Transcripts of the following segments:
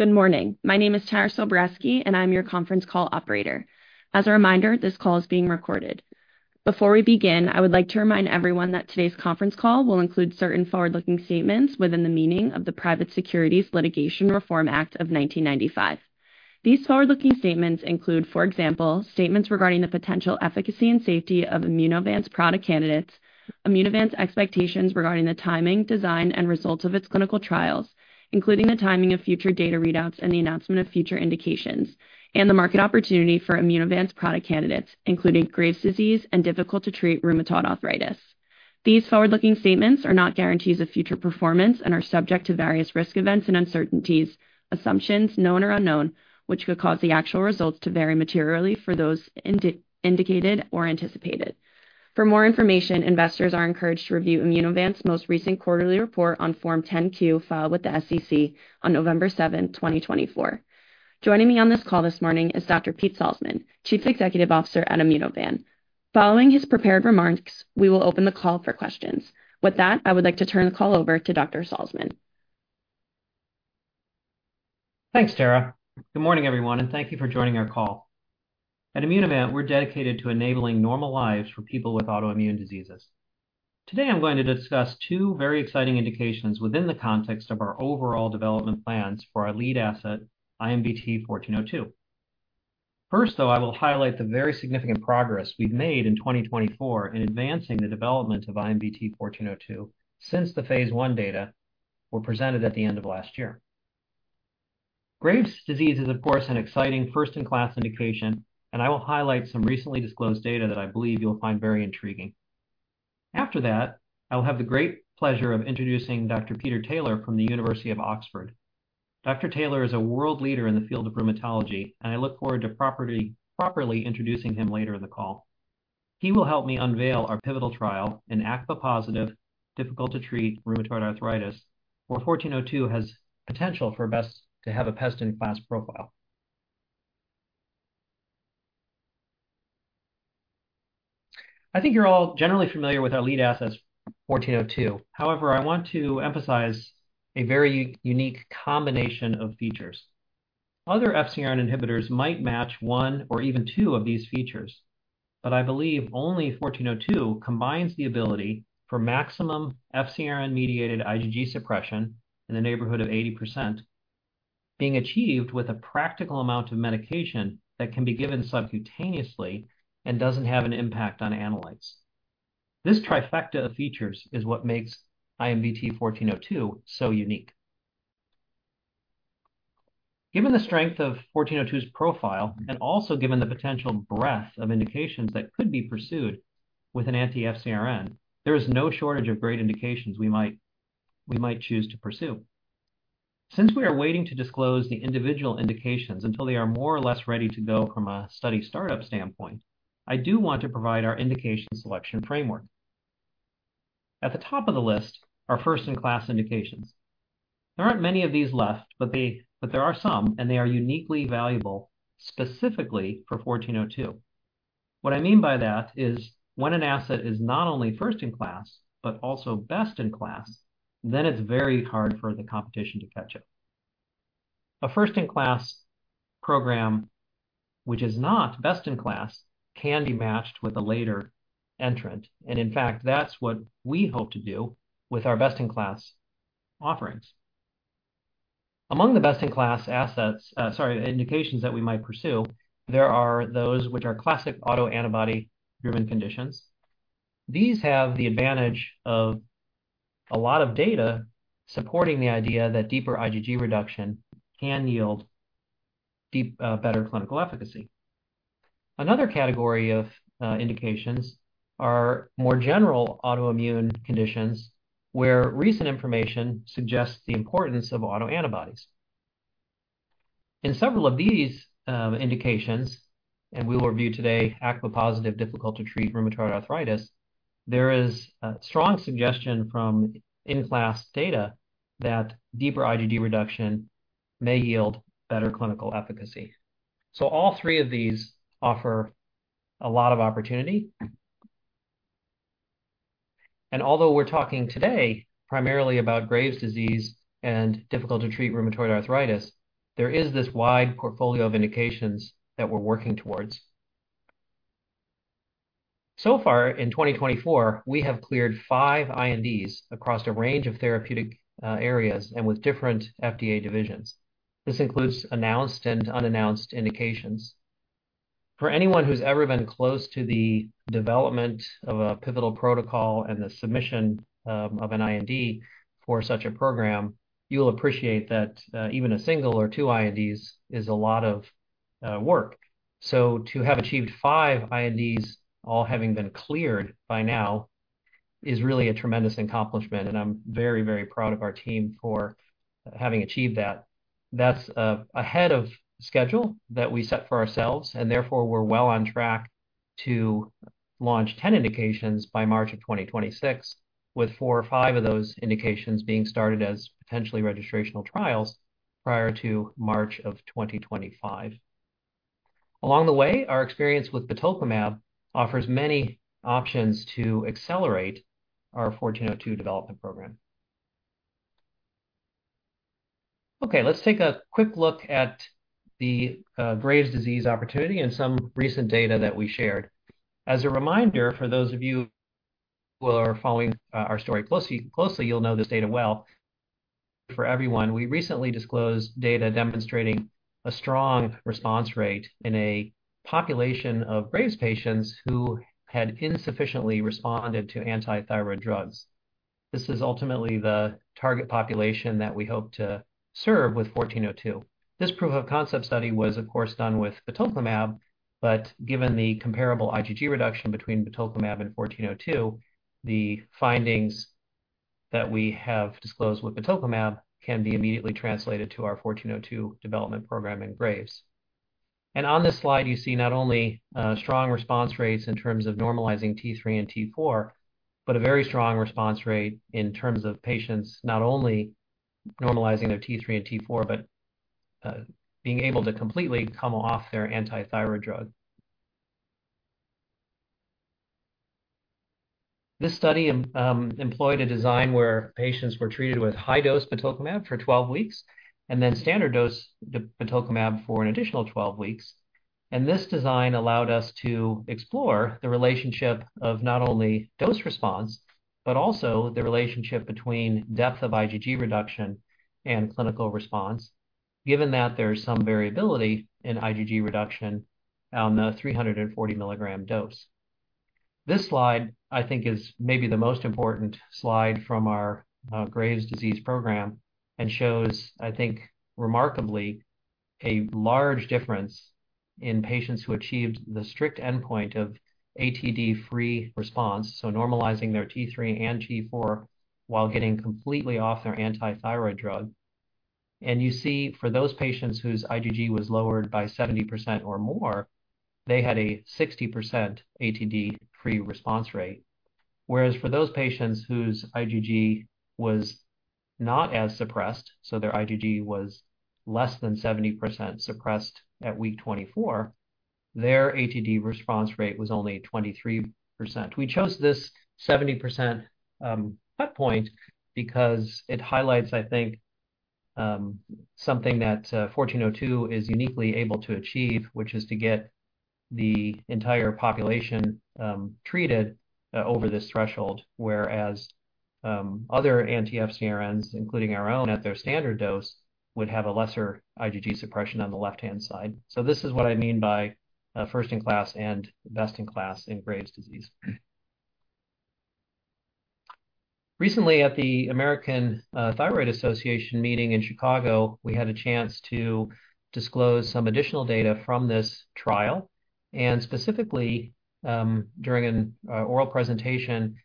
Good morning. My name is [Tara Sobreski], I'm your conference call operator. As a reminder, this call is being recorded. Before we begin, I would like to remind everyone that today's conference call will include certain forward-looking statements within the meaning of the Private Securities Litigation Reform Act of 1995. These forward-looking statements include, for example, statements regarding the potential efficacy and safety of Immunovant's product candidates, Immunovant's expectations regarding the timing, design, and results of its clinical trials, including the timing of future data readouts and the announcement of future indications, and the market opportunity for Immunovant's product candidates, including Graves' disease and difficult-to-treat rheumatoid arthritis. These forward-looking statements are not guarantees of future performance and are subject to various risk events and uncertainties, assumptions known or unknown, which could cause the actual results to vary materially for those indicated or anticipated. For more information, investors are encouraged to review Immunovant's most recent quarterly report on Form 10-Q filed with the SEC on November seventh, 2024. Joining me on this call this morning is Dr. Peter Salzmann, Chief Executive Officer at Immunovant. Following his prepared remarks, we will open the call for questions. With that, I would like to turn the call over to Dr. Salzmann. Thanks, Tara. Good morning, everyone, thank you for joining our call. At Immunovant, we're dedicated to enabling normal lives for people with autoimmune diseases. Today, I'm going to discuss two very exciting indications within the context of our overall development plans for our lead asset, IMVT-1402. First, though, I will highlight the very significant progress we've made in 2024 in advancing the development of IMVT-1402 since the phase I data were presented at the end of last year. Graves' disease is, of course, an exciting first-in-class indication, I will highlight some recently disclosed data that I believe you'll find very intriguing. After that, I'll have the great pleasure of introducing Dr. Peter Taylor from the University of Oxford. Dr. Taylor is a world leader in the field of rheumatology, I look forward to properly introducing him later in the call. He will help me unveil our pivotal trial in ACPA-positive, difficult-to-treat rheumatoid arthritis, where 1402 has potential for a best-in-class profile. I think you're all generally familiar with our lead assets, 1402. However, I want to emphasize a very unique combination of features. Other FcRn inhibitors might match one or even two of these features, I believe only 1402 combines the ability for maximum FcRn-mediated IgG suppression in the neighborhood of 80%, being achieved with a practical amount of medication that can be given subcutaneously and doesn't have an impact on analytes. This trifecta of features is what makes IMVT-1402 so unique. Given the strength of 1402's profile, also given the potential breadth of indications that could be pursued with an anti-FcRn, there is no shortage of great indications we might choose to pursue. Since we are waiting to disclose the individual indications until they are more or less ready to go from a study startup standpoint, I do want to provide our indication selection framework. At the top of the list are first-in-class indications. There aren't many of these left, but there are some, and they are uniquely valuable specifically for 1402. What I mean by that is when an asset is not only first in class but also best in class, then it's very hard for the competition to catch up. A first-in-class program which is not best in class can be matched with a later entrant. In fact, that's what we hope to do with our best-in-class offerings. Among the best-in-class assets, sorry, indications that we might pursue, there are those which are classic autoantibody-driven conditions. These have the advantage of a lot of data supporting the idea that deeper IgG reduction can yield better clinical efficacy. Another category of indications are more general autoimmune conditions where recent information suggests the importance of autoantibodies. In several of these indications, and we will review today ACPA-positive, difficult-to-treat rheumatoid arthritis, there is a strong suggestion from in-class data that deeper IgG reduction may yield better clinical efficacy. All three of these offer a lot of opportunity. Although we're talking today primarily about Graves' disease and difficult-to-treat rheumatoid arthritis, there is this wide portfolio of indications that we're working towards. So far in 2024, we have cleared five INDs across a range of therapeutic areas and with different FDA divisions. This includes announced and unannounced indications. For anyone who's ever been close to the development of a pivotal protocol and the submission of an IND for such a program, you'll appreciate that even a single or two INDs is a lot of work. To have achieved five INDs, all having been cleared by now, is really a tremendous accomplishment, and I'm very, very proud of our team for having achieved that. That's ahead of schedule that we set for ourselves, and therefore we're well on track to launch 10 indications by March of 2026, with four or five of those indications being started as potentially registrational trials prior to March of 2025. Along the way, our experience with the batoclimab offers many options to accelerate our 1402 development program. Okay, let's take a quick look at the Graves' disease opportunity and some recent data that we shared. As a reminder, for those of you who are following our story closely, you'll know this data well. For everyone, we recently disclosed data demonstrating a strong response rate in a population of Graves' patients who had insufficiently responded to antithyroid drugs. This is ultimately the target population that we hope to serve with 1402. This proof of concept study was, of course, done with batoclimab, but given the comparable IgG reduction between batoclimab and 1402, the findings that we have disclosed with batoclimab can be immediately translated to our 1402 development program in Graves'. On this slide, you see not only strong response rates in terms of normalizing T3 and T4, but a very strong response rate in terms of patients not only normalizing their T3 and T4, but being able to completely come off their antithyroid drug. This study employed a design where patients were treated with high-dose batoclimab for 12 weeks and then standard dose batoclimab for an additional 12 weeks. This design allowed us to explore the relationship of not only dose response, but also the relationship between depth of IgG reduction and clinical response, given that there is some variability in IgG reduction on the 340 milligram dose. This slide, I think, is maybe the most important slide from our Graves' disease program and shows, I think, remarkably, a large difference in patients who achieved the strict endpoint of ATD-free response, so normalizing their T3 and T4 while getting completely off their antithyroid drug. You see for those patients whose IgG was lowered by 70% or more, they had a 60% ATD-free response rate. Whereas for those patients whose IgG was not as suppressed, so their IgG was less than 70% suppressed at week 24, their ATD response rate was only 23%. We chose this 70% cut point because it highlights, I think, something that 1402 is uniquely able to achieve, which is to get the entire population treated over this threshold, whereas other anti-FcRn, including our own at their standard dose, would have a lesser IgG suppression on the left-hand side. This is what I mean by first in class and best in class in Graves' disease. Recently, at the American Thyroid Association meeting in Chicago, we had a chance to disclose some additional data from this trial, and specifically, during an oral presentation,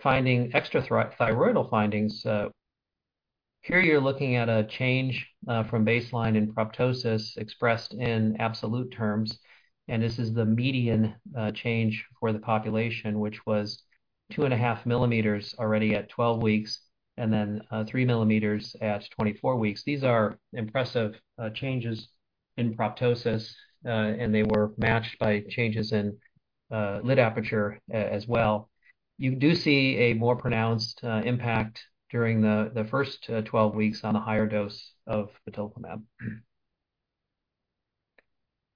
finding extra-thyroidal findings. Here you're looking at a change from baseline in proptosis expressed in absolute terms, this is the median change for the population, which was two and a half millimeters already at 12 weeks and then three millimeters at 24 weeks. These are impressive changes in proptosis, and they were matched by changes in lid aperture as well. You do see a more pronounced impact during the first 12 weeks on a higher dose of batoclimab.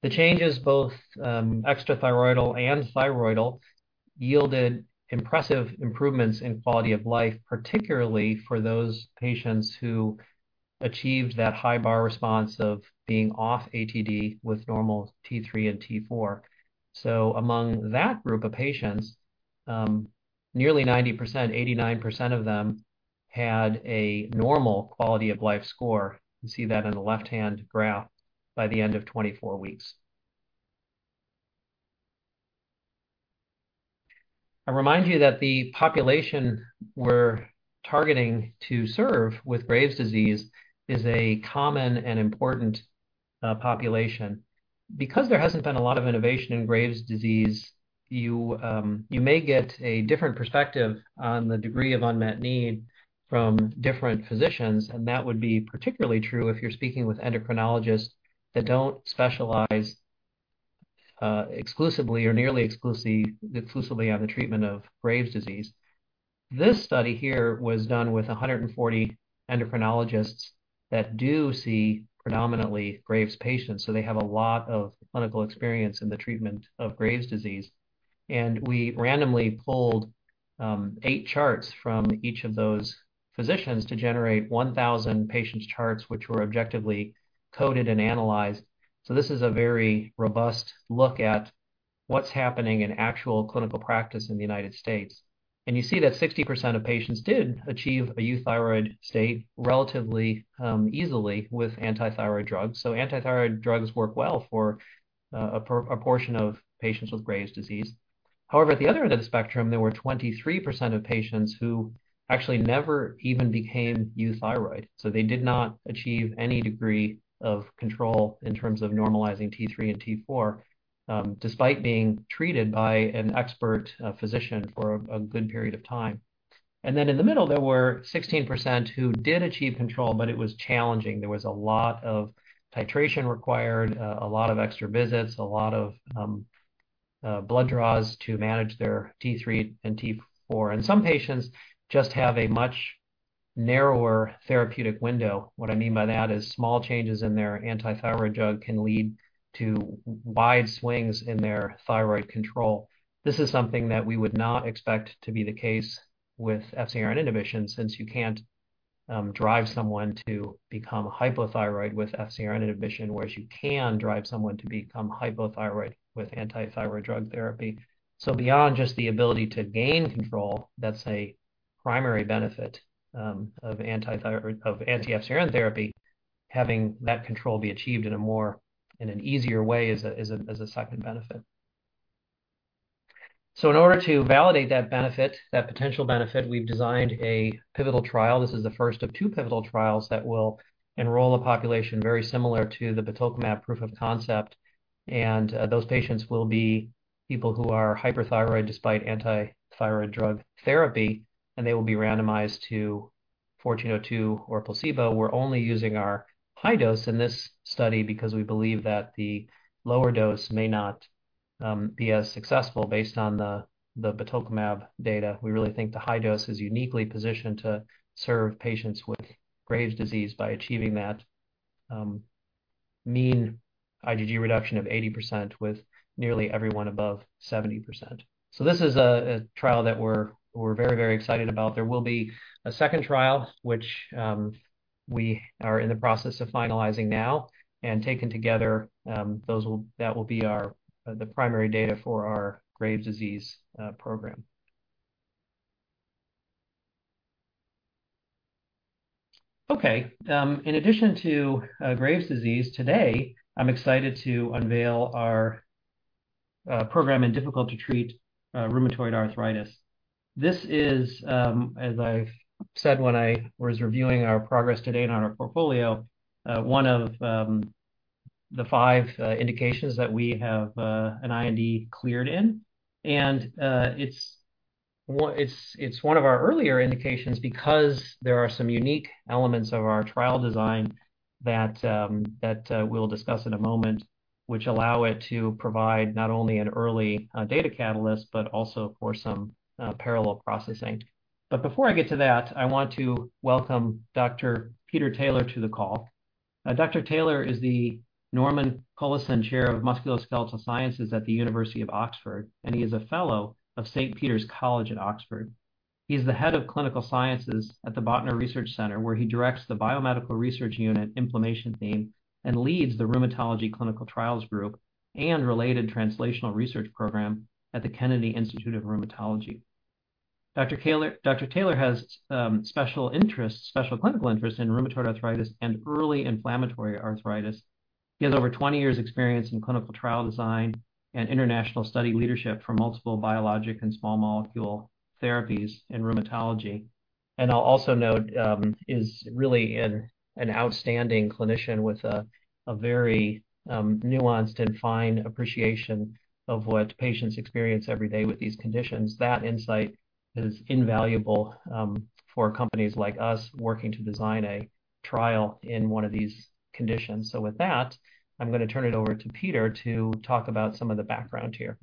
The changes, both extra-thyroidal and thyroidal, yielded impressive improvements in quality of life, particularly for those patients who achieved that high bar response of being off ATD with normal T3 and T4. Among that group of patients, nearly 90%, 89% of them had a normal quality-of-life score. You see that in the left-hand graph by the end of 24 weeks. I remind you that the population we're targeting to serve with Graves' disease is a common and important population. Because there hasn't been a lot of innovation in Graves' disease, you may get a different perspective on the degree of unmet need from different physicians, and that would be particularly true if you're speaking with endocrinologists that don't specialize exclusively or nearly exclusively on the treatment of Graves' disease. This study here was done with 140 endocrinologists that do see predominantly Graves' patients, so they have a lot of clinical experience in the treatment of Graves' disease. We randomly pulled eight charts from each of those physicians to generate 1,000 patients' charts, which were objectively coded and analyzed. This is a very robust look at what's happening in actual clinical practice in the U.S. You see that 60% of patients did achieve a euthyroid state relatively easily with antithyroid drugs. Antithyroid drugs work well for a portion of patients with Graves' disease. However, at the other end of the spectrum, there were 23% of patients who actually never even became euthyroid. They did not achieve any degree of control in terms of normalizing T3 and T4, despite being treated by an expert physician for a good period of time. Then in the middle, there were 16% who did achieve control, but it was challenging. There was a lot of titration required, a lot of extra visits, a lot of blood draws to manage their T3 and T4. Some patients just have a much narrower therapeutic window. What I mean by that is small changes in their antithyroid drug can lead to wide swings in their thyroid control. This is something that we would not expect to be the case with FcRn inhibition, since you can't drive someone to become hypothyroid with FcRn inhibition, whereas you can drive someone to become hypothyroid with antithyroid drug therapy. Beyond just the ability to gain control, that's a primary benefit of anti-FcRn therapy. Having that control be achieved in an easier way is a second benefit. In order to validate that potential benefit, we've designed a pivotal trial. This is the first of two pivotal trials that will enroll a population very similar to the batoclimab proof of concept. Those patients will be people who are hyperthyroid despite antithyroid drug therapy, and they will be randomized to 14.02 or placebo. We're only using our high dose in this study because we believe that the lower dose may not be as successful based on the batoclimab data. We really think the high dose is uniquely positioned to serve patients with Graves' disease by achieving that mean IgG reduction of 80% with nearly every one above 70%. This is a trial that we're very excited about. There will be a second trial, which we are in the process of finalizing now. Taken together, that will be the primary data for our Graves' disease program. Okay. In addition to Graves' disease, today I'm excited to unveil our program in difficult-to-treat rheumatoid arthritis. This is, as I've said when I was reviewing our progress today on our portfolio, one of the five indications that we have an IND cleared in. It's one of our earlier indications because there are some unique elements of our trial design that we'll discuss in a moment, which allow it to provide not only an early data catalyst, but also for some parallel processing. Before I get to that, I want to welcome Dr. Peter Taylor to the call. Dr. Taylor is the Norman Collisson Chair of Musculoskeletal Sciences at the University of Oxford, and he is a fellow of St. Peter's College at Oxford. He's the head of clinical sciences at the Botnar Research Centre, where he directs the Inflammation across Tissues Theme and leads the Rheumatology Clinical Trials group and related translational research program at the Kennedy Institute of Rheumatology. Dr. Taylor has special clinical interest in rheumatoid arthritis and early inflammatory arthritis. He has over 20 years' experience in clinical trial design and international study leadership for multiple biologic and small molecule therapies in rheumatology. I'll also note, is really an outstanding clinician with a very nuanced and fine appreciation of what patients experience every day with these conditions. That insight is invaluable for companies like us working to design a trial in one of these conditions. With that, I'm going to turn it over to Peter to talk about some of the background here.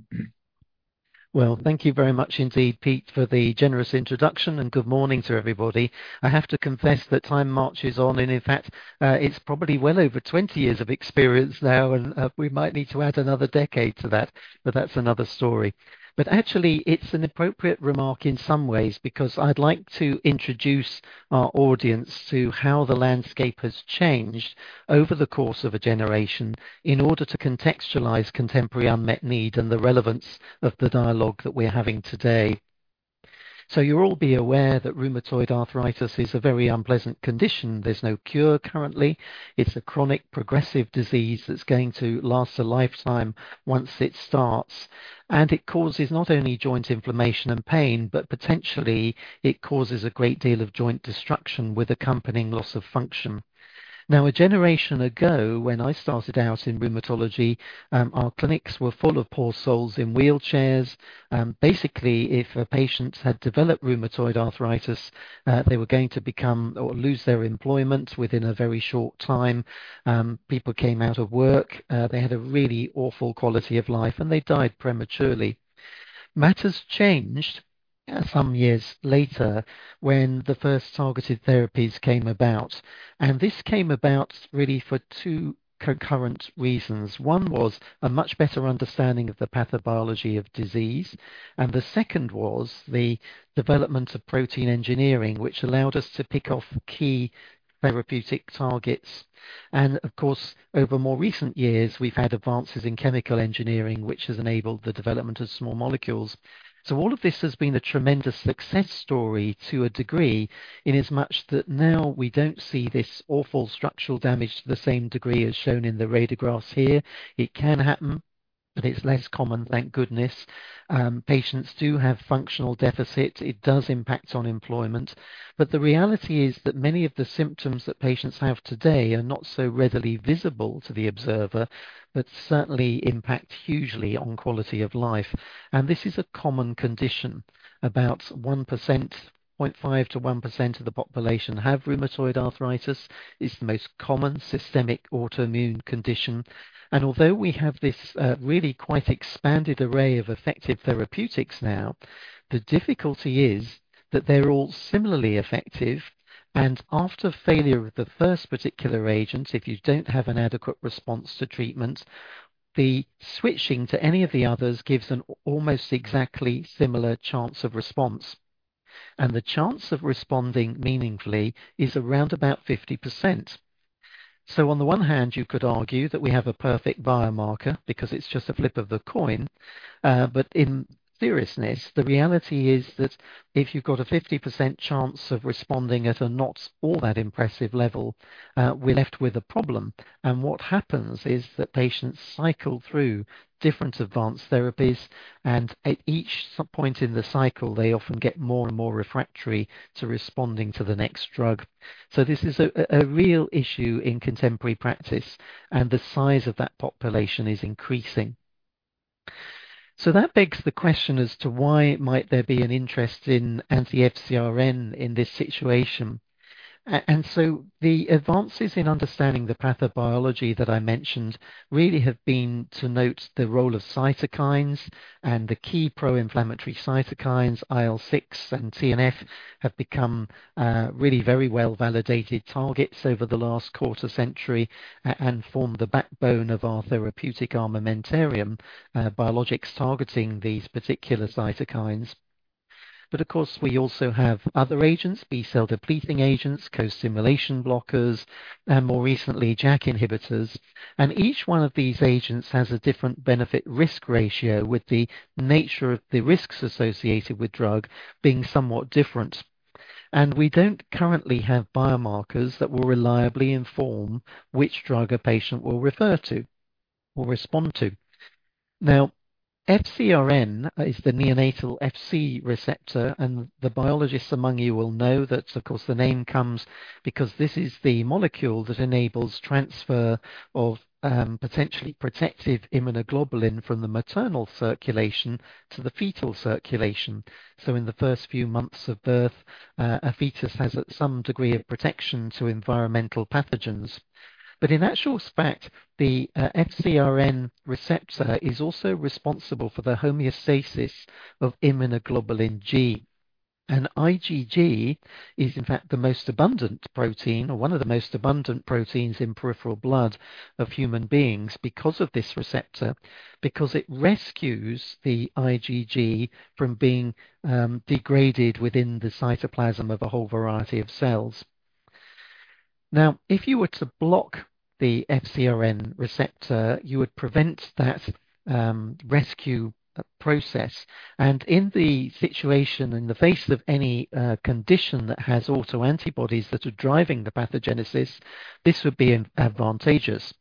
Well, thank you very much indeed, Pete, for the generous introduction. Good morning to everybody. I have to confess that time marches on, in fact, it's probably well over 20 years of experience now, we might need to add another decade to that. That's another story. Actually, it's an appropriate remark in some ways because I'd like to introduce our audience to how the landscape has changed over the course of a generation in order to contextualize contemporary unmet need and the relevance of the dialogue that we're having today. You'll all be aware that rheumatoid arthritis is a very unpleasant condition. There's no cure currently. It's a chronic progressive disease that's going to last a lifetime once it starts. It causes not only joint inflammation and pain, but potentially it causes a great deal of joint destruction with accompanying loss of function. Now, a generation ago, when I started out in rheumatology, our clinics were full of poor souls in wheelchairs. Basically, if a patient had developed rheumatoid arthritis, they were going to lose their employment within a very short time. People came out of work. They had a really awful quality of life, they died prematurely. Matters changed some years later when the first targeted therapies came about, this came about really for two concurrent reasons. One was a much better understanding of the pathobiology of disease, the second was the development of protein engineering, which allowed us to pick off key therapeutic targets. Of course, over more recent years, we've had advances in chemical engineering, which has enabled the development of small molecules. All of this has been a tremendous success story to a degree, in as much that now we don't see this awful structural damage to the same degree as shown in the radiographs here. It can happen. It's less common, thank goodness. Patients do have functional deficits. It does impact on employment. The reality is that many of the symptoms that patients have today are not so readily visible to the observer, but certainly impact hugely on quality of life. This is a common condition. About 0.5% to 1% of the population have rheumatoid arthritis. It's the most common systemic autoimmune condition. Although we have this really quite expanded array of effective therapeutics now, the difficulty is that they're all similarly effective. After failure of the first particular agent, if you don't have an adequate response to treatment, the switching to any of the others gives an almost exactly similar chance of response. The chance of responding meaningfully is around about 50%. On the one hand, you could argue that we have a perfect biomarker because it's just a flip of the coin. In seriousness, the reality is that if you've got a 50% chance of responding at a not all that impressive level, we're left with a problem. What happens is that patients cycle through different advanced therapies, and at each point in the cycle, they often get more and more refractory to responding to the next drug. This is a real issue in contemporary practice, and the size of that population is increasing. That begs the question as to why might there be an interest in anti-FcRn in this situation. The advances in understanding the pathobiology that I mentioned really have been to note the role of cytokines, and the key pro-inflammatory cytokines, IL-6 and TNF, have become really very well-validated targets over the last quarter-century and form the backbone of our therapeutic armamentarium, biologics targeting these particular cytokines. Of course, we also have other agents, B-cell depleting agents, co-stimulation blockers, and more recently, JAK inhibitors. Each one of these agents has a different benefit/risk ratio, with the nature of the risks associated with drug being somewhat different. We don't currently have biomarkers that will reliably inform which drug a patient will refer to or respond to. FcRn is the neonatal Fc receptor, and the biologists among you will know that, of course, the name comes because this is the molecule that enables transfer of potentially protective Immunoglobulin G from the maternal circulation to the fetal circulation. In the first few months of birth, a fetus has some degree of protection to environmental pathogens. In actual fact, the FcRn receptor is also responsible for the homeostasis of Immunoglobulin G. IgG is in fact the most abundant protein, or one of the most abundant proteins in peripheral blood of human beings because of this receptor, because it rescues the IgG from being degraded within the cytoplasm of a whole variety of cells. If you were to block the FcRn receptor, you would prevent that rescue process. In the situation in the face of any condition that has autoantibodies that are driving the pathogenesis, this would be advantageous.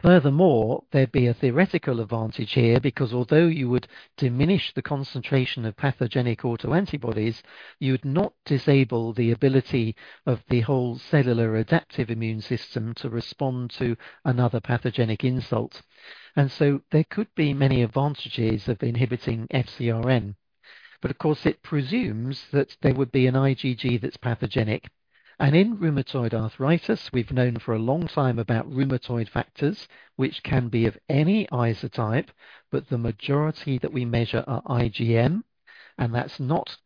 Furthermore, there'd be a theoretical advantage here because although you would diminish the concentration of pathogenic autoantibodies, you would not disable the ability of the whole cellular adaptive immune system to respond to another pathogenic insult. There could be many advantages of inhibiting FcRn. Of course, it presumes that there would be an IgG that's pathogenic. In rheumatoid arthritis, we've known for a long time about rheumatoid factors, which can be of any isotype, but the majority that we measure are IgM, and that's not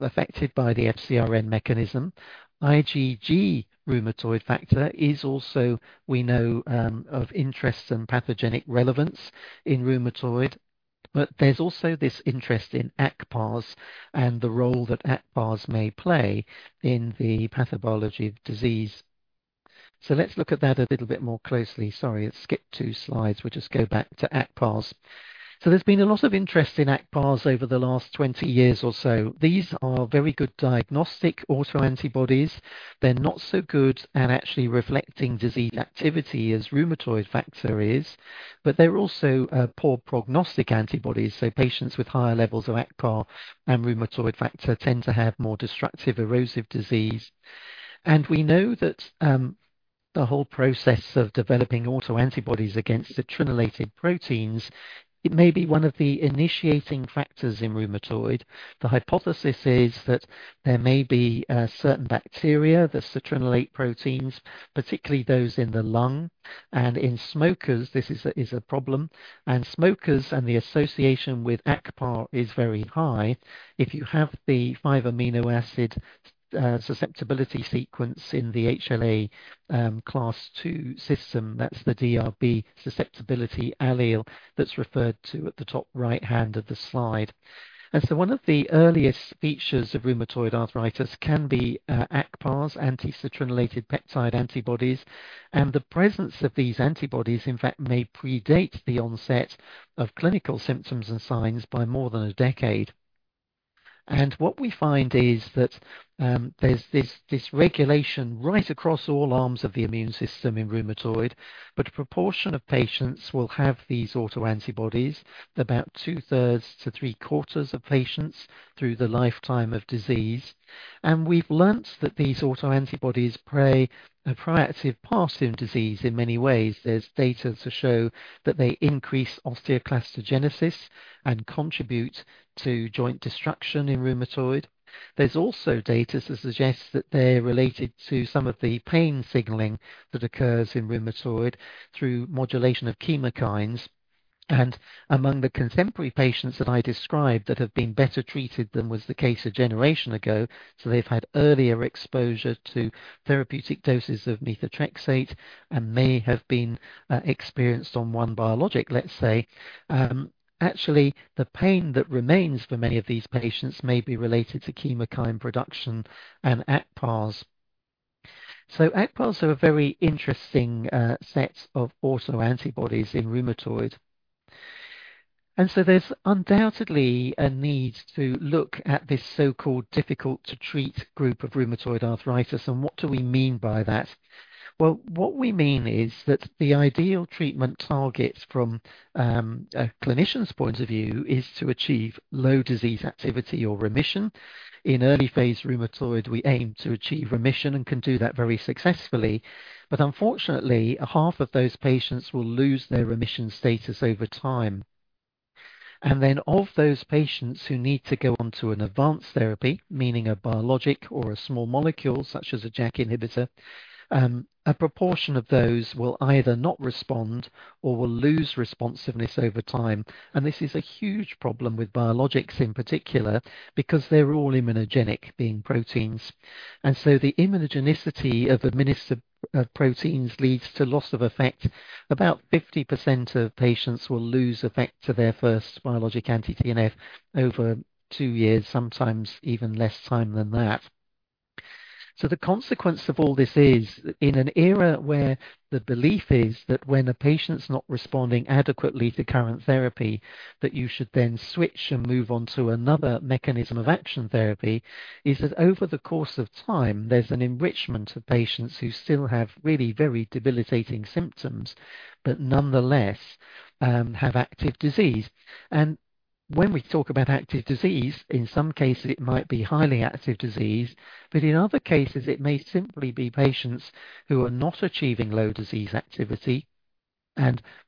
affected by the FcRn mechanism. IgG rheumatoid factor is also, we know, of interest and pathogenic relevance in rheumatoid, but there's also this interest in ACPAs and the role that ACPAs may play in the pathobiology of the disease. Let's look at that a little bit more closely. Sorry, it skipped two slides. We'll just go back to ACPAs. There's been a lot of interest in ACPAs over the last 20 years or so. These are very good diagnostic autoantibodies. They're not so good at actually reflecting disease activity as rheumatoid factor is, but they're also poor prognostic antibodies. Patients with higher levels of ACPA and rheumatoid factor tend to have more destructive erosive disease. We know that the whole process of developing autoantibodies against citrullinated proteins, it may be one of the initiating factors in rheumatoid. The hypothesis is that there may be certain bacteria that citrullinate proteins, particularly those in the lung. In smokers, this is a problem. Smokers and the association with ACPA is very high. If you have the five amino acid susceptibility sequence in the HLA class II system, that's the DRB susceptibility allele that's referred to at the top right-hand of the slide. One of the earliest features of rheumatoid arthritis can be ACPAs, anti-citrullinated peptide antibodies. The presence of these antibodies, in fact, may predate the onset of clinical symptoms and signs by more than a decade. What we find is that there's this regulation right across all arms of the immune system in rheumatoid, but a proportion of patients will have these autoantibodies, about two-thirds to three-quarters of patients through the lifetime of disease. We've learnt that these autoantibodies play a proactive part in disease in many ways. There's data to show that they increase osteoclastogenesis and contribute to joint destruction in rheumatoid. There's also data to suggest that they're related to some of the pain signaling that occurs in rheumatoid through modulation of chemokines. Among the contemporary patients that I described that have been better treated than was the case a generation ago, so they've had earlier exposure to therapeutic doses of methotrexate and may have been experienced on one biologic, let's say. Actually, the pain that remains for many of these patients may be related to chemokine production and ACPAs. ACPAs are a very interesting set of autoantibodies in rheumatoid. There's undoubtedly a need to look at this so-called difficult-to-treat group of rheumatoid arthritis. What do we mean by that? Well, what we mean is that the ideal treatment target from a clinician's point of view is to achieve low disease activity or remission. In early phase rheumatoid, we aim to achieve remission and can do that very successfully. Unfortunately, half of those patients will lose their remission status over time. Of those patients who need to go on to an advanced therapy, meaning a biologic or a small molecule such as a JAK inhibitor, a proportion of those will either not respond or will lose responsiveness over time. This is a huge problem with biologics in particular because they're all immunogenic, being proteins. The immunogenicity of administered proteins leads to loss of effect. About 50% of patients will lose effect to their first biologic anti-TNF over two years, sometimes even less time than that. The consequence of all this is, in an era where the belief is that when a patient's not responding adequately to current therapy, that you should then switch and move on to another mechanism of action therapy, is that over the course of time, there's an enrichment of patients who still have really very debilitating symptoms, but nonetheless have active disease. When we talk about active disease, in some cases it might be highly active disease, but in other cases, it may simply be patients who are not achieving low disease activity.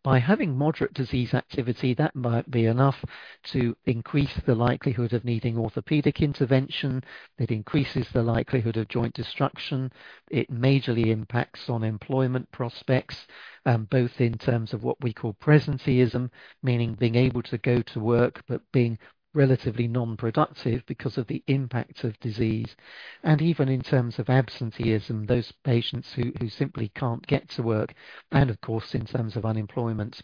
By having moderate disease activity, that might be enough to increase the likelihood of needing orthopedic intervention. It increases the likelihood of joint destruction. It majorly impacts on employment prospects, both in terms of what we call presenteeism, meaning being able to go to work but being relatively non-productive because of the impact of disease. Even in terms of absenteeism, those patients who simply can't get to work, and of course, in terms of unemployment.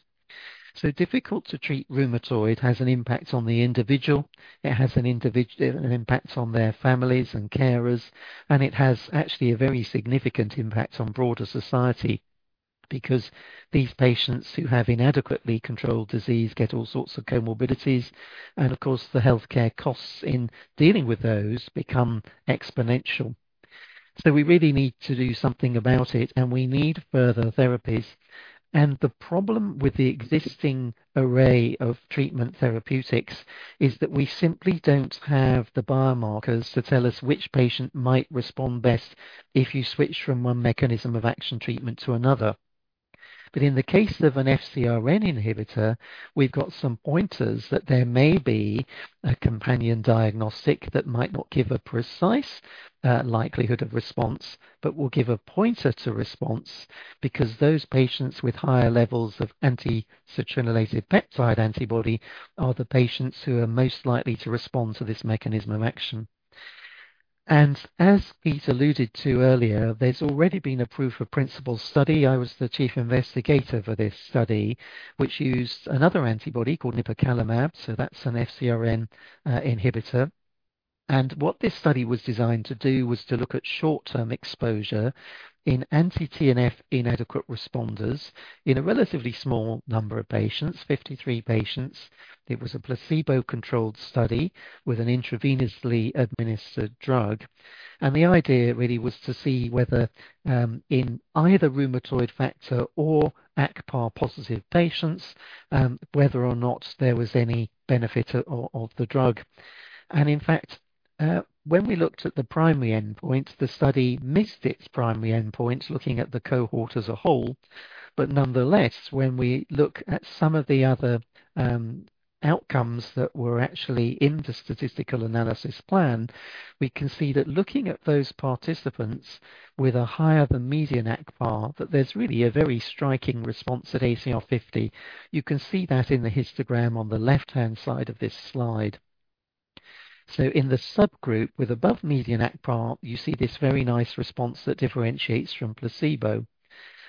Difficult to treat rheumatoid has an impact on the individual, it has an impact on their families and carers, and it has actually a very significant impact on broader society because these patients who have inadequately controlled disease get all sorts of comorbidities, and of course, the healthcare costs in dealing with those become exponential. We really need to do something about it, and we need further therapies. The problem with the existing array of treatment therapeutics is that we simply don't have the biomarkers to tell us which patient might respond best if you switch from one mechanism of action treatment to another. In the case of an FcRn inhibitor, we've got some pointers that there may be a companion diagnostic that might not give a precise likelihood of response, but will give a pointer to response, because those patients with higher levels of anti-citrullinated peptide antibody are the patients who are most likely to respond to this mechanism of action. As Pete alluded to earlier, there's already been a proof of principle study. I was the chief investigator for this study, which used another antibody called nipocalimab. That's an FcRn inhibitor. What this study was designed to do was to look at short-term exposure in anti-TNF inadequate responders in a relatively small number of patients, 53 patients. It was a placebo-controlled study with an intravenously administered drug. The idea really was to see whether in either rheumatoid factor or ACPA positive patients, whether or not there was any benefit of the drug. In fact, when we looked at the primary endpoint, the study missed its primary endpoint looking at the cohort as a whole. Nonetheless, when we look at some of the other outcomes that were actually in the statistical analysis plan, we can see that looking at those participants with a higher than median ACPA, that there's really a very striking response at ACR50. You can see that in the histogram on the left-hand side of this slide. In the subgroup with above median ACPA, you see this very nice response that differentiates from placebo.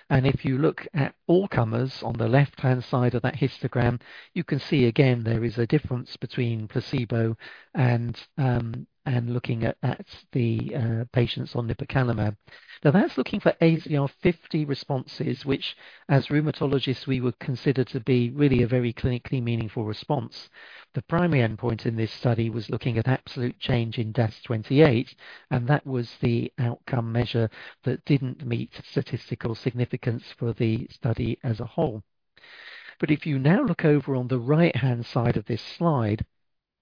If you look at all comers on the left-hand side of that histogram, you can see again there is a difference between placebo and looking at the patients on nipocalimab. That's looking for ACR50 responses, which as rheumatologists we would consider to be really a very clinically meaningful response. The primary endpoint in this study was looking at absolute change in DAS28, that was the outcome measure that didn't meet statistical significance for the study as a whole. If you now look over on the right-hand side of this slide,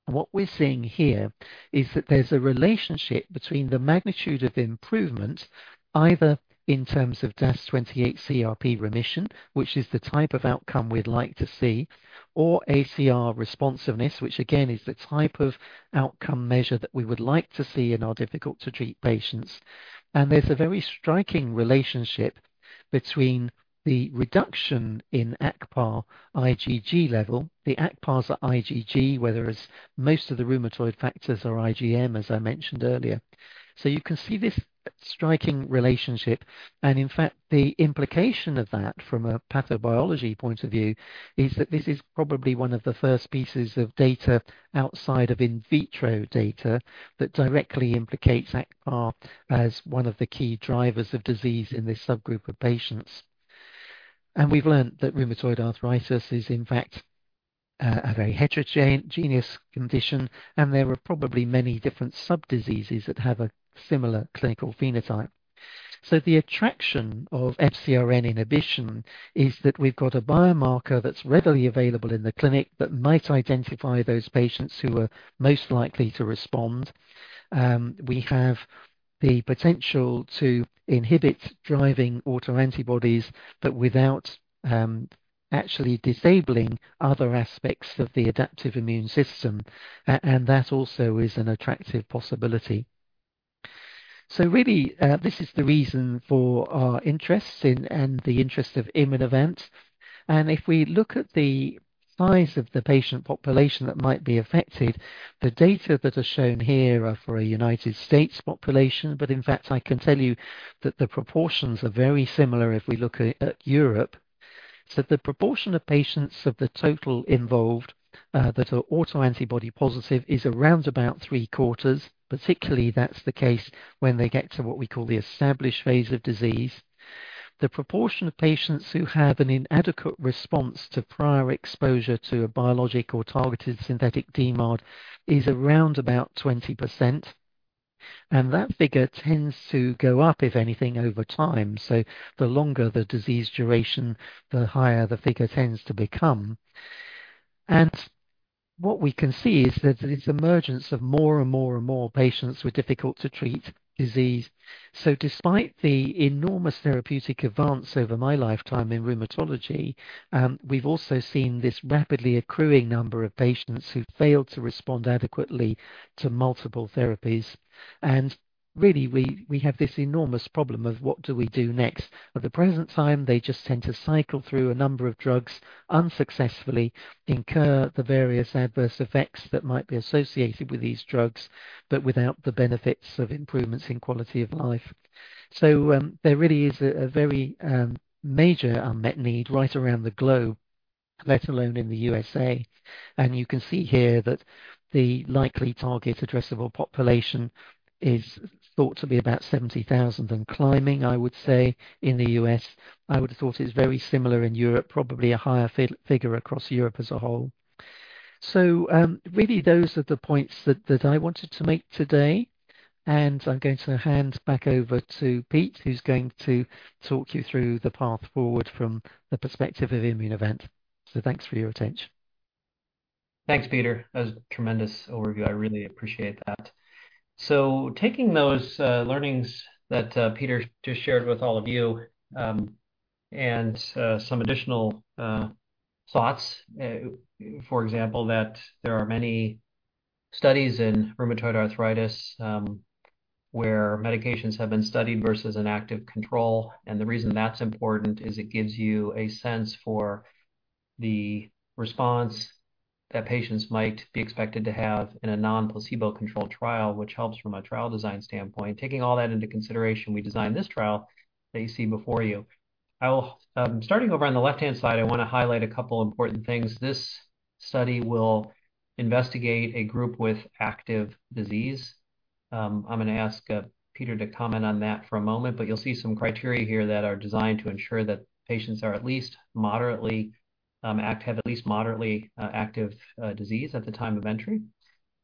what we're seeing here is that there's a relationship between the magnitude of improvement, either in terms of DAS28-CRP remission, which is the type of outcome we'd like to see, or ACR responsiveness, which again is the type of outcome measure that we would like to see in our difficult-to-treat patients. There's a very striking relationship between the reduction in ACPA IgG level. The ACPAs are IgG, whereas most of the rheumatoid factors are IgM, as I mentioned earlier. You can see this striking relationship. In fact, the implication of that from a pathobiology point of view is that this is probably one of the first pieces of data outside of in vitro data that directly implicates ACPA as one of the key drivers of disease in this subgroup of patients. We've learned that rheumatoid arthritis is, in fact, a very heterogeneous condition, and there are probably many different sub-diseases that have a similar clinical phenotype. The attraction of FcRn inhibition is that we've got a biomarker that's readily available in the clinic that might identify those patients who are most likely to respond. We have the potential to inhibit driving autoantibodies, but without actually disabling other aspects of the adaptive immune system. That also is an attractive possibility. Really, this is the reason for our interest and the interest of Immunovant. If we look at the size of the patient population that might be affected, the data that are shown here are for a U.S. population. In fact, I can tell you that the proportions are very similar if we look at Europe. The proportion of patients of the total involved that are autoantibody positive is around about three-quarters. Particularly, that's the case when they get to what we call the established phase of disease. The proportion of patients who have an inadequate response to prior exposure to a biologic or targeted synthetic DMARD is around about 20%. That figure tends to go up, if anything, over time. The longer the disease duration, the higher the figure tends to become. What we can see is that this emergence of more and more and more patients with difficult-to-treat disease. Despite the enormous therapeutic advance over my lifetime in rheumatology, we've also seen this rapidly accruing number of patients who failed to respond adequately to multiple therapies. Really, we have this enormous problem of what do we do next? At the present time, they just tend to cycle through a number of drugs unsuccessfully, incur the various adverse effects that might be associated with these drugs, but without the benefits of improvements in quality of life. There really is a very major unmet need right around the globe, let alone in the U.S. You can see here that the likely target addressable population is thought to be about 70,000 and climbing, I would say, in the U.S. I would have thought it's very similar in Europe. Probably a higher figure across Europe as a whole. Really, those are the points that I wanted to make today. I'm going to hand back over to Pete, who's going to talk you through the path forward from the perspective of Immunovant. Thanks for your attention. Thanks, Peter. That was a tremendous overview. I really appreciate that. Taking those learnings that Peter just shared with all of you, and some additional thoughts, for example, that there are many studies in rheumatoid arthritis, where medications have been studied versus an active control. The reason that's important is it gives you a sense for the response that patients might be expected to have in a non-placebo-controlled trial, which helps from a trial design standpoint. Taking all that into consideration, we designed this trial that you see before you. Starting over on the left-hand side, I want to highlight a couple important things. This study will investigate a group with active disease. I'm going to ask Peter to comment on that for a moment, but you'll see some criteria here that are designed to ensure that patients have at least moderately active disease at the time of entry.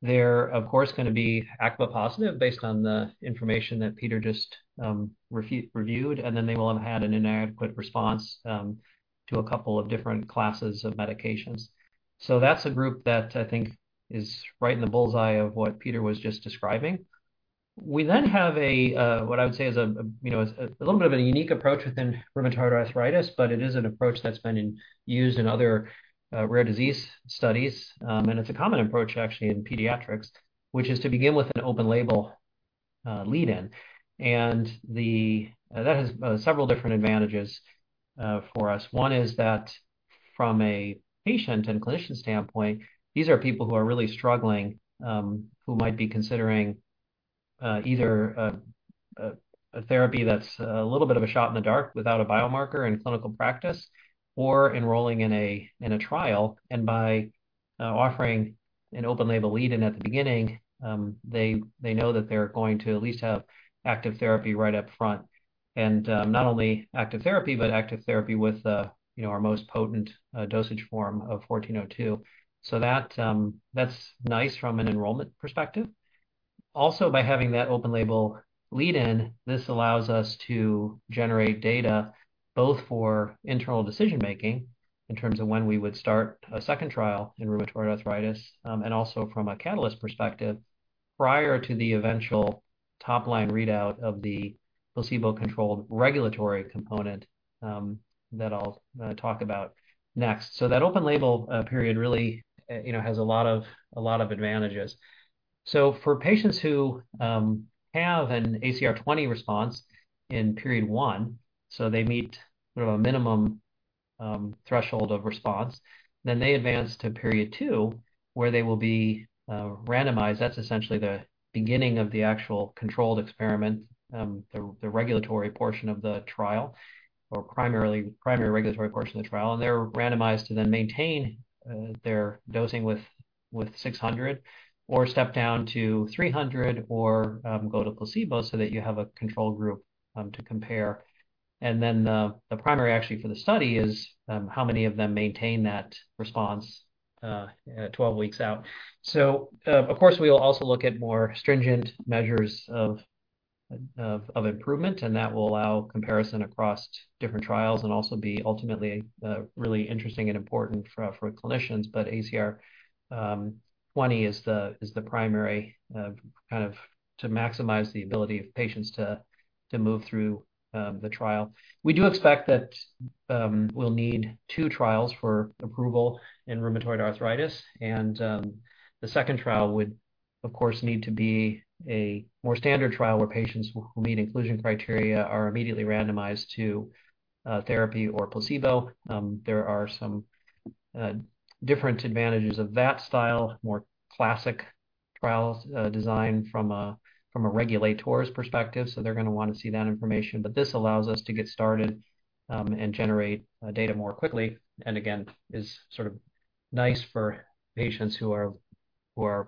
They're, of course, going to be ACPA positive based on the information that Peter just reviewed, then they will have had an inadequate response to a couple of different classes of medications. That's a group that I think is right in the bullseye of what Peter was just describing. We then have what I would say is a little bit of a unique approach within rheumatoid arthritis, but it is an approach that's been used in other rare disease studies. It's a common approach, actually, in pediatrics. Which is to begin with an open label lead-in. That has several different advantages for us. One is that from a patient and clinician standpoint, these are people who are really struggling, who might be considering either a therapy that's a little bit of a shot in the dark without a biomarker in clinical practice or enrolling in a trial. By offering an open label lead-in at the beginning, they know that they're going to at least have active therapy right up front. Not only active therapy, but active therapy with our most potent dosage form of 1402. That's nice from an enrollment perspective. Also, by having that open-label lead-in, this allows us to generate data both for internal decision-making in terms of when we would start a second trial in rheumatoid arthritis, and also from a catalyst perspective prior to the eventual top-line readout of the placebo-controlled regulatory component that I'll talk about next. That open-label period really has a lot of advantages. For patients who have an ACR 20 response in period one, they meet a minimum threshold of response, they advance to period two, where they will be randomized. That's essentially the beginning of the actual controlled experiment, the regulatory portion of the trial, or primary regulatory portion of the trial. They're randomized to then maintain their dosing with 600 or step down to 300 or go to placebo so that you have a control group to compare. The primary, actually, for the study is how many of them maintain that response 12 weeks out. Of course, we will also look at more stringent measures of improvement, and that will allow comparison across different trials and also be ultimately really interesting and important for clinicians. ACR 20 is the primary to maximize the ability of patients to move through the trial. We do expect that we'll need two trials for approval in rheumatoid arthritis, the second trial would, of course, need to be a more standard trial where patients who meet inclusion criteria are immediately randomized to therapy or placebo. There are some different advantages of that style, more classic trial design from a regulator's perspective, they're going to want to see that information. This allows us to get started and generate data more quickly, and again, is sort of nice for patients who are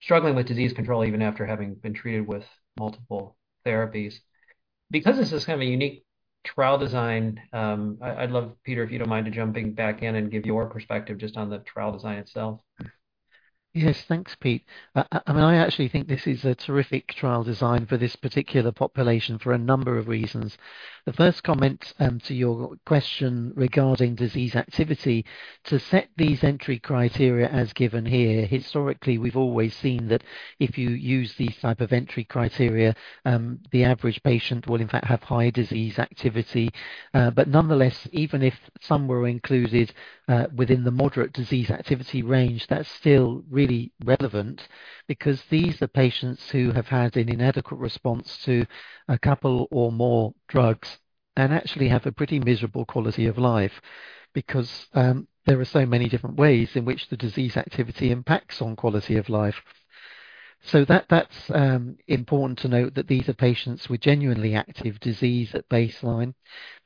struggling with disease control even after having been treated with multiple therapies. This is kind of a unique trial design, I'd love, Peter, if you don't mind jumping back in and give your perspective just on the trial design itself. Yes. Thanks, Pete. I actually think this is a terrific trial design for this particular population for a number of reasons. The first comment to your question regarding disease activity, to set these entry criteria as given here, historically, we've always seen that if you use these type of entry criteria, the average patient will in fact have higher disease activity. Nonetheless, even if some were included within the moderate disease activity range, that's still really relevant because these are patients who have had an inadequate response to a couple or more drugs and actually have a pretty miserable quality of life because there are so many different ways in which the disease activity impacts on quality of life. That's important to note that these are patients with genuinely active disease at baseline.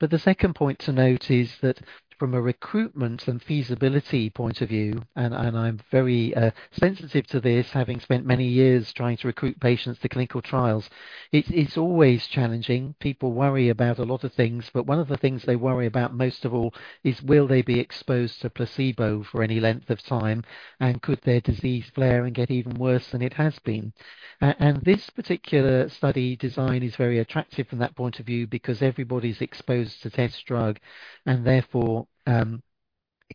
The second point to note is that from a recruitment and feasibility point of view, I'm very sensitive to this, having spent many years trying to recruit patients to clinical trials, it's always challenging. People worry about a lot of things, one of the things they worry about most of all is will they be exposed to placebo for any length of time, and could their disease flare and get even worse than it has been? This particular study design is very attractive from that point of view because everybody's exposed to test drug and therefore,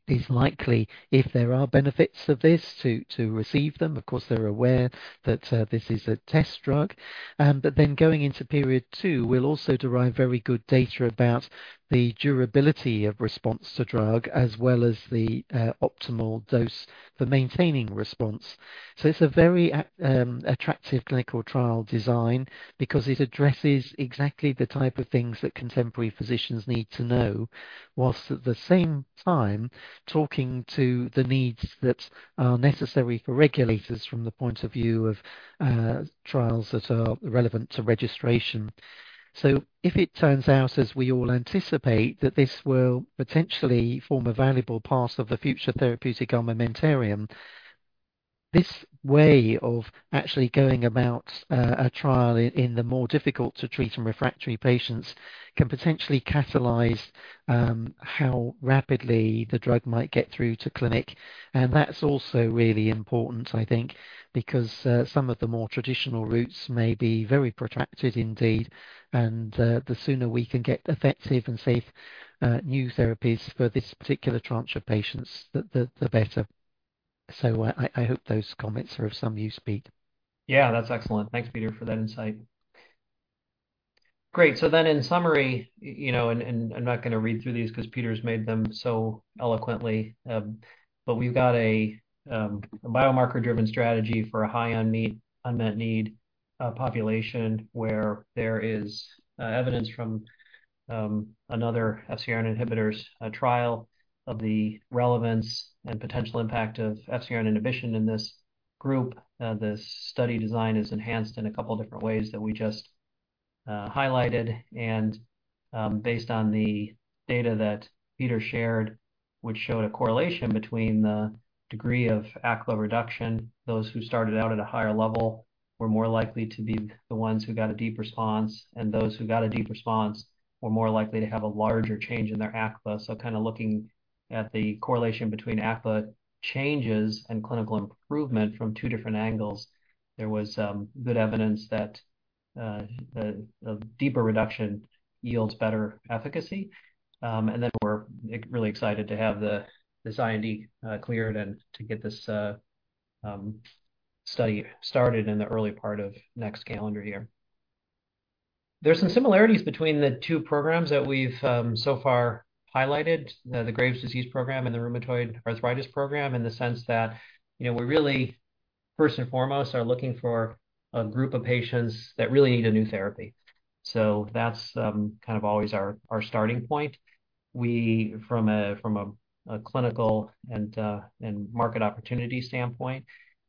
it is likely if there are benefits of this, to receive them. Of course, they're aware that this is a test drug. Going into period two, we'll also derive very good data about the durability of response to drug as well as the optimal dose for maintaining response. It's a very attractive clinical trial design because it addresses exactly the type of things that contemporary physicians need to know, whilst at the same time talking to the needs that are necessary for regulators from the point of view of trials that are relevant to registration. If it turns out, as we all anticipate, that this will potentially form a valuable part of the future therapeutic armamentarium, this way of actually going about a trial in the more difficult-to-treat and refractory patients can potentially catalyze how rapidly the drug might get through to clinic. That's also really important, I think, because some of the more traditional routes may be very protracted indeed, and the sooner we can get effective and safe new therapies for this particular tranche of patients, the better. I hope those comments are of some use, Pete. Yeah, that's excellent. Thanks, Peter, for that insight. Great. In summary, I'm not going to read through these because Peter's made them so eloquently. We've got a biomarker-driven strategy for a high unmet need population where there is evidence from another FcRn inhibitor's trial of the relevance and potential impact of FcRn inhibition in this group. The study design is enhanced in a couple different ways that we just highlighted. Based on the data that Peter shared, which showed a correlation between the degree of ACPA reduction, those who started out at a higher level were more likely to be the ones who got a deep response, and those who got a deep response were more likely to have a larger change in their ACPA. Kind of looking at the correlation between ACPA changes and clinical improvement from two different angles, there was good evidence that a deeper reduction yields better efficacy. We're really excited to have the IND cleared and to get this study started in the early part of next calendar year. There's some similarities between the two programs that we've so far highlighted, the Graves' disease program and the rheumatoid arthritis program, in the sense that we really, first and foremost, are looking for a group of patients that really need a new therapy. That's kind of always our starting point from a clinical and market opportunity standpoint.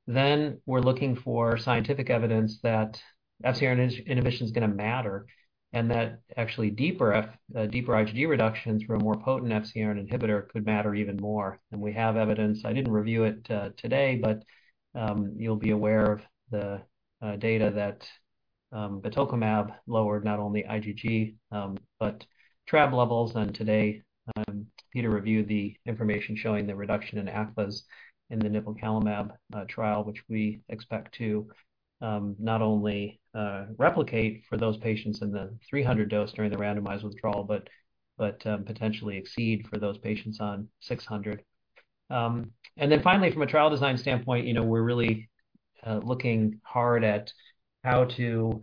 We're looking for scientific evidence that FcRn inhibition is going to matter, and that actually deeper IgG reductions from a more potent FcRn inhibitor could matter even more. We have evidence, I didn't review it today, but you'll be aware of the data that batoclimab lowered not only IgG but TRAB levels. Today, Peter reviewed the information showing the reduction in ACPAs in the nipocalimab trial, which we expect to not only replicate for those patients in the 300 dose during the randomized withdrawal, but potentially exceed for those patients on 600. Finally, from a trial design standpoint, we're really looking hard at how to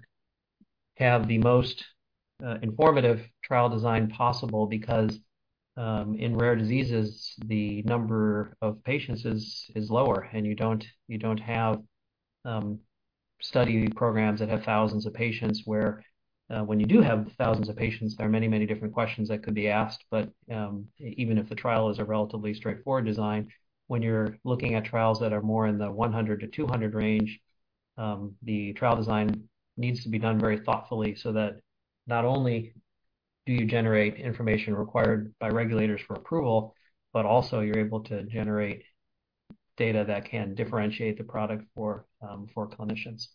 have the most informative trial design possible, because in rare diseases, the number of patients is lower, and you don't have study programs that have thousands of patients where when you do have thousands of patients, there are many different questions that could be asked. Even if the trial is a relatively straightforward design, when you're looking at trials that are more in the 100 to 200 range, the trial design needs to be done very thoughtfully, so that not only do you generate information required by regulators for approval, you're able to generate data that can differentiate the product for clinicians.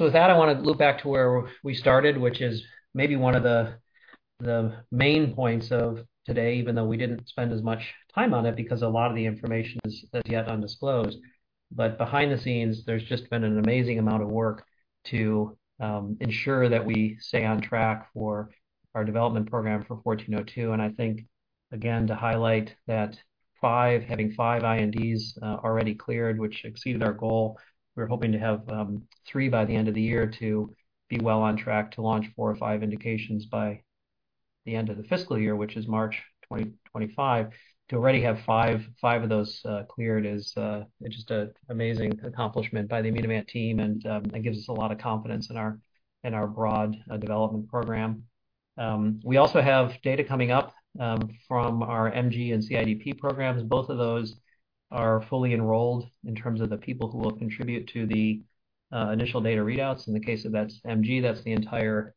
With that, I want to loop back to where we started, which is maybe one of the main points of today, even though we didn't spend as much time on it, because a lot of the information is as yet undisclosed. Behind the scenes, there's just been an amazing amount of work to ensure that we stay on track for our development program for 14.02. I think, again, to highlight that having 5 INDs already cleared, which exceeded our goal, we were hoping to have three by the end of the year to be well on track to launch four or five indications by the end of the fiscal year, which is March 2025. To already have 5 of those cleared is just an amazing accomplishment by the Immunovant team, and it gives us a lot of confidence in our broad development program. We also have data coming up from our MG and CIDP programs. Both of those are fully enrolled in terms of the people who will contribute to the initial data readouts. In the case of MG, that's the entire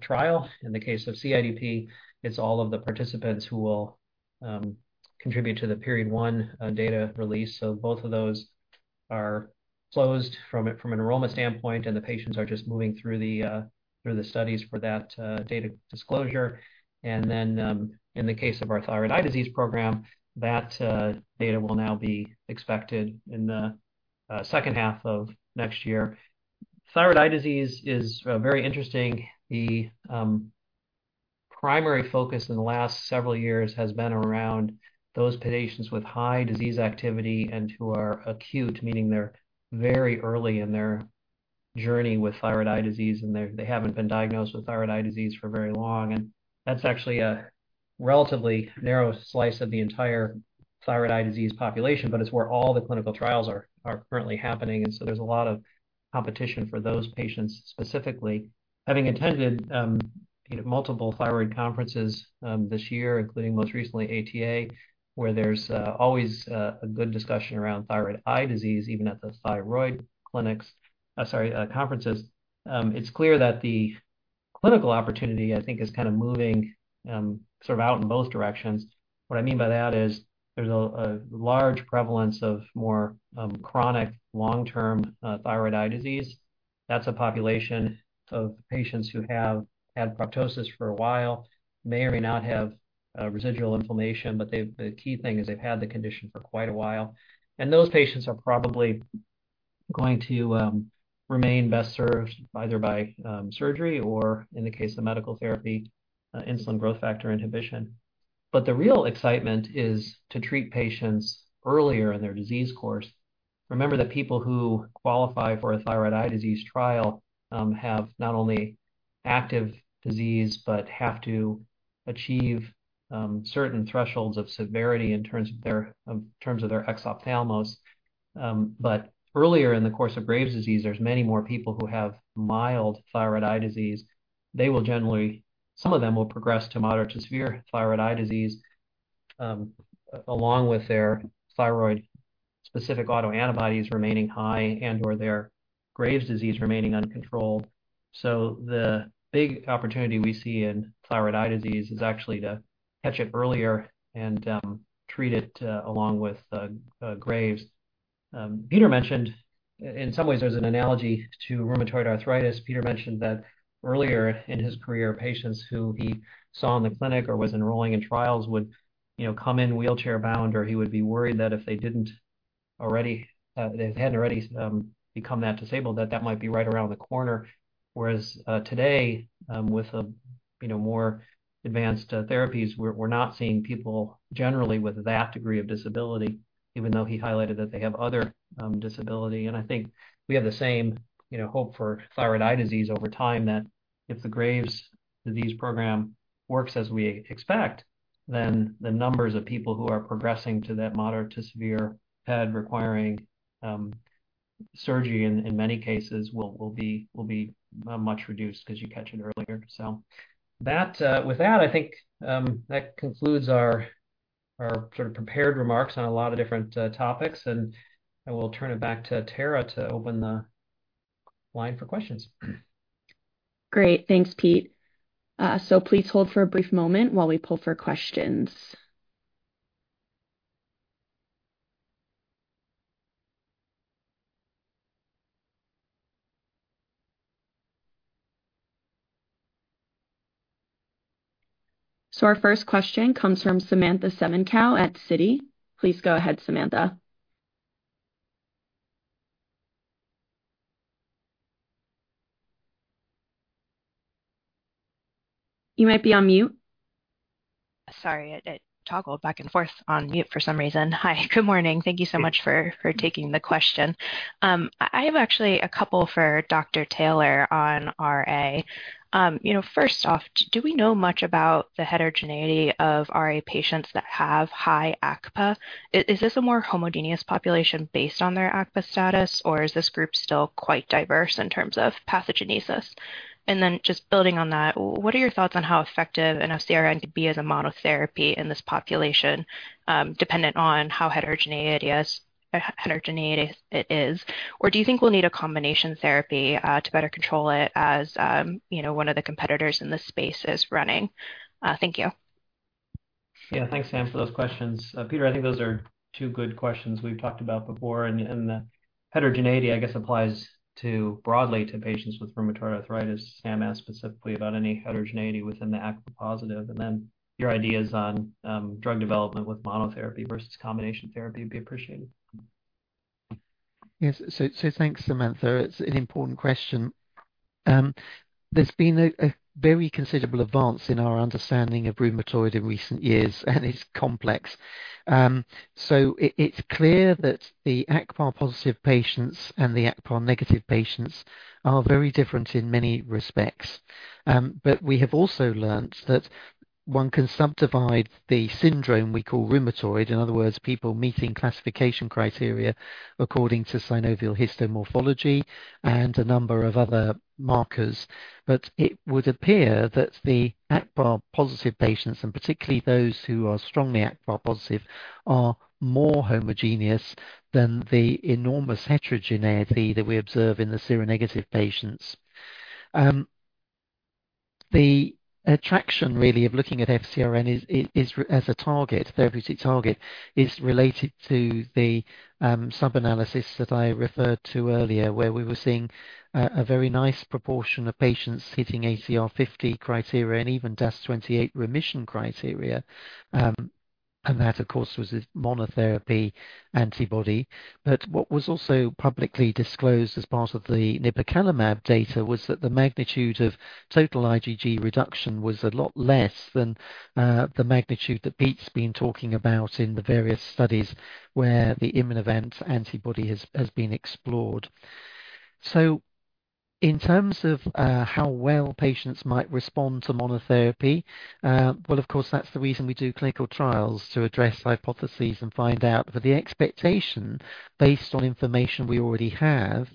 trial. In the case of CIDP, it's all of the participants who will contribute to the period one data release. Both of those are closed from an enrollment standpoint, and the patients are just moving through the studies for that data disclosure. In the case of our Thyroid Eye Disease Program, that data will now be expected in the second half of next year. Thyroid eye disease is very interesting. The primary focus in the last several years has been around those patients with high disease activity and who are acute, meaning they're very early in their journey with thyroid eye disease, and they haven't been diagnosed with thyroid eye disease for very long. That's actually a relatively narrow slice of the entire thyroid eye disease population, but it's where all the clinical trials are currently happening, there's a lot of competition for those patients specifically. Having attended multiple thyroid conferences this year, including most recently ATA, where there's always a good discussion around thyroid eye disease, even at the thyroid conferences, it's clear that the clinical opportunity, I think, is kind of moving sort of out in both directions. What I mean by that is there's a large prevalence of more chronic long-term thyroid eye disease. That's a population of patients who have had proptosis for a while, may or may not have residual inflammation, but the key thing is they've had the condition for quite a while. Those patients are probably going to remain best served either by surgery or, in the case of medical therapy, insulin growth factor inhibition. The real excitement is to treat patients earlier in their disease course. Remember that people who qualify for a thyroid eye disease trial have not only active disease, but have to achieve certain thresholds of severity in terms of their exophthalmos. Earlier in the course of Graves' disease, there's many more people who have mild thyroid eye disease. Some of them will progress to moderate to severe thyroid eye disease, along with their thyroid-specific autoantibodies remaining high and/or their Graves' disease remaining uncontrolled. The big opportunity we see in thyroid eye disease is actually to catch it earlier and treat it along with Graves. Peter mentioned in some ways there's an analogy to rheumatoid arthritis. Peter mentioned that earlier in his career, patients who he saw in the clinic or was enrolling in trials would come in wheelchair-bound, or he would be worried that if they hadn't already become that disabled, that that might be right around the corner. Whereas today, with more advanced therapies, we're not seeing people generally with that degree of disability, even though he highlighted that they have other disability. I think we have the same hope for thyroid eye disease over time, that if the Graves' disease program works as we expect, then the numbers of people who are progressing to that moderate to severe TED requiring surgery in many cases will be much reduced, because you catch it earlier. With that, I think that concludes our prepared remarks on a lot of different topics, and I will turn it back to Tara to open the line for questions. Great. Thanks, Pete. Please hold for a brief moment while we poll for questions. Our first question comes from Samantha Semenkow at Citi. Please go ahead, Samantha. You might be on mute. Sorry. It toggled back and forth on mute for some reason. Hi, good morning. Thank you so much for taking the question. I have actually a couple for Dr. Taylor on RA. First off, do we know much about the heterogeneity of RA patients that have high ACPA? Is this a more homogeneous population based on their ACPA status, or is this group still quite diverse in terms of pathogenesis? Then just building on that, what are your thoughts on how effective an FcRn could be as a monotherapy in this population, dependent on how heterogeneous it is? Do you think we'll need a combination therapy to better control it as one of the competitors in this space is running? Thank you. Yeah. Thanks, Sam, for those questions. Peter, I think those are two good questions we've talked about before. The heterogeneity, I guess, applies broadly to patients with rheumatoid arthritis. Sam asked specifically about any heterogeneity within the ACPA positive. Your ideas on drug development with monotherapy versus combination therapy would be appreciated. Yes. Thanks, Samantha. It's an important question. There's been a very considerable advance in our understanding of rheumatoid in recent years. It's complex. It's clear that the ACPA positive patients and the ACPA negative patients are very different in many respects. We have also learnt that one can subdivide the syndrome we call rheumatoid, in other words, people meeting classification criteria according to synovial histomorphology and a number of other markers. It would appear that the ACPA positive patients, and particularly those who are strongly ACPA positive, are more homogeneous than the enormous heterogeneity that we observe in the seronegative patients. The attraction really of looking at FcRn as a therapeutic target is related to the sub-analysis that I referred to earlier, where we were seeing a very nice proportion of patients hitting ACR50 criteria and even DAS28 remission criteria. That, of course, was a monotherapy antibody. What was also publicly disclosed as part of the nipocalimab data was that the magnitude of total IgG reduction was a lot less than the magnitude that Pete's been talking about in the various studies where the Immunovant antibody has been explored. In terms of how well patients might respond to monotherapy, well, of course, that's the reason we do clinical trials, to address hypotheses and find out. The expectation based on information we already have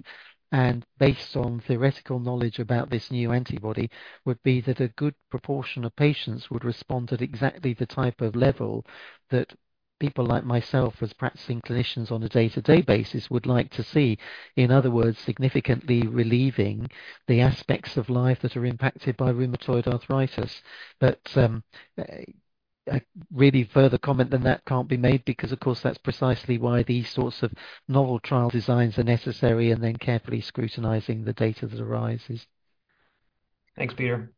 and based on theoretical knowledge about this new antibody would be that a good proportion of patients would respond at exactly the type of level that people like myself, as practicing clinicians on a day-to-day basis, would like to see. In other words, significantly relieving the aspects of life that are impacted by rheumatoid arthritis. Really further comment than that can't be made because, of course, that's precisely why these sorts of novel trial designs are necessary and then carefully scrutinizing the data that arises. Thanks, Peter.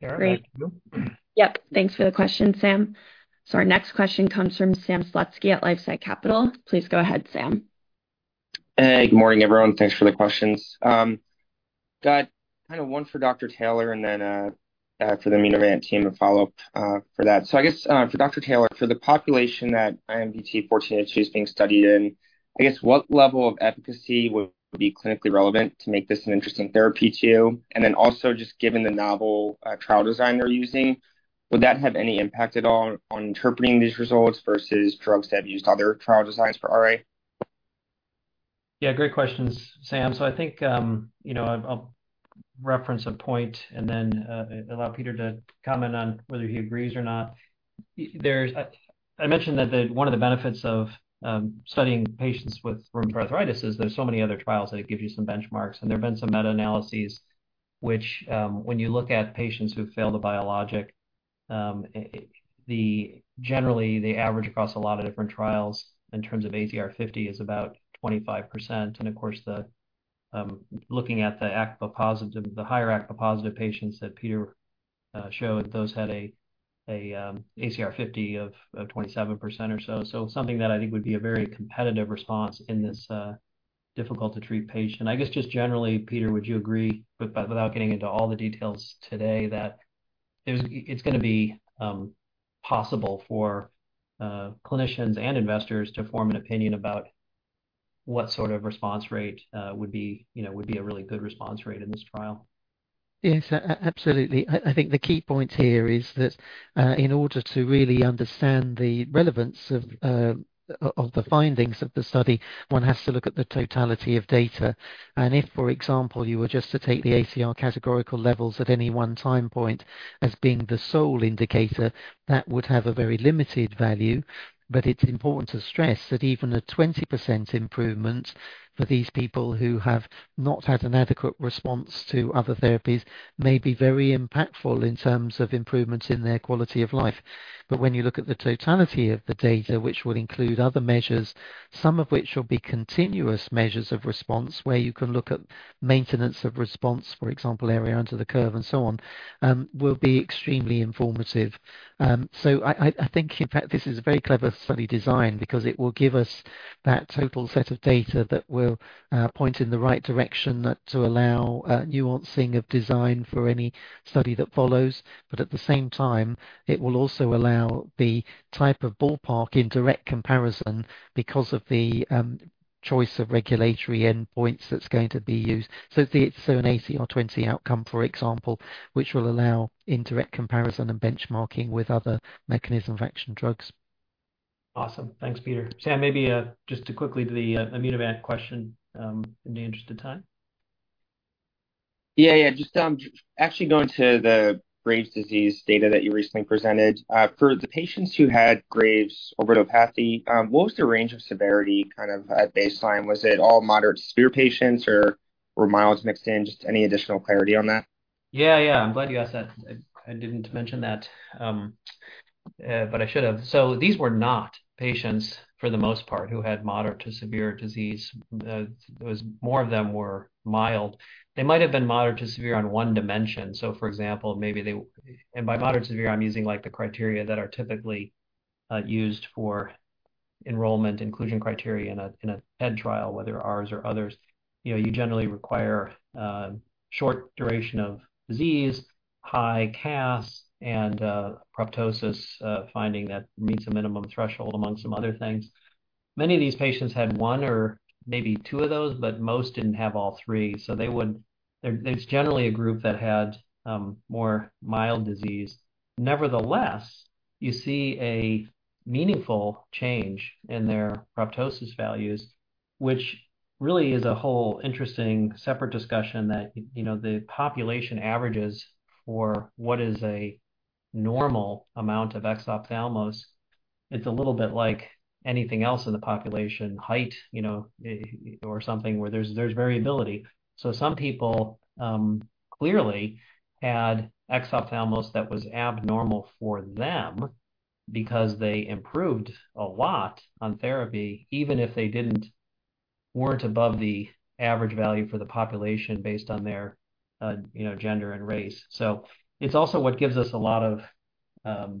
Tara, back to you. Yep. Thanks for the question, Sam. Our next question comes from Sam Slutsky at LifeSci Capital. Please go ahead, Sam. Hey, good morning, everyone. Thanks for the questions. Got one for Dr. Taylor and then for the Immunovant team to follow up for that. I guess for Dr. Taylor, for the population that IMVT-1402 is being studied in, I guess what level of efficacy would be clinically relevant to make this an interesting therapy to you? Then also just given the novel trial design they're using, would that have any impact at all on interpreting these results versus drugs that have used other trial designs for RA? Yeah. Great questions, Sam. I think I'll reference a point then allow Peter to comment on whether he agrees or not. I mentioned that one of the benefits of studying patients with rheumatoid arthritis is there's so many other trials that it gives you some benchmarks. There have been some meta-analyses which, when you look at patients who fail the biologic, generally, they average across a lot of different trials in terms of ACR50 is about 25%. Of course, looking at the higher ACPA-positive patients that Peter showed, those had ACR50 of 27% or so. Something that I think would be a very competitive response in this difficult-to-treat patient. I guess just generally, Peter, would you agree, without getting into all the details today, that it's going to be possible for clinicians and investors to form an opinion about what sort of response rate would be a really good response rate in this trial? Yes. Absolutely. I think the key point here is that in order to really understand the relevance of the findings of the study, one has to look at the totality of data. If, for example, you were just to take the ACR categorical levels at any one time point as being the sole indicator, that would have a very limited value. It's important to stress that even a 20% improvement for these people who have not had an adequate response to other therapies may be very impactful in terms of improvements in their quality of life. When you look at the totality of the data, which will include other measures, some of which will be continuous measures of response, where you can look at maintenance of response, for example, area under the curve and so on, will be extremely informative. I think, in fact, this is a very clever study design because it will give us that total set of data that will point in the right direction to allow nuancing of design for any study that follows. At the same time, it will also allow the type of ballpark in direct comparison because of the choice of regulatory endpoints that's going to be used. It's an ACR20 outcome, for example, which will allow indirect comparison and benchmarking with other mechanism-of-action drugs. Awesome. Thanks, Peter. Sam, maybe just quickly to the Immunovant question, in the interest of time. Yeah. Just actually going to the Graves' disease data that you recently presented. For the patients who had Graves' orbitopathy, what was the range of severity at baseline? Was it all moderate to severe patients, or were milds mixed in? Just any additional clarity on that. Yeah. I'm glad you asked that. I didn't mention that, but I should have. These were not patients, for the most part, who had moderate to severe disease. More of them were mild. They might have been moderate to severe on one dimension. For example, by moderate to severe, I'm using the criteria that are typically used for enrollment inclusion criteria in a TED trial, whether ours or others. You generally require short duration of disease, high CAS, and proptosis finding that meets a minimum threshold, among some other things. Many of these patients had one or maybe two of those, but most didn't have all three. It's generally a group that had more mild disease. Nevertheless, you see a meaningful change in their proptosis values, which really is a whole interesting separate discussion that the population averages for what is a normal amount of exophthalmos. It's a little bit like anything else in the population, height, or something where there's variability. Some people clearly had exophthalmos that was abnormal for them because they improved a lot on therapy, even if they weren't above the average value for the population based on their gender and race. It's also what gives us a lot of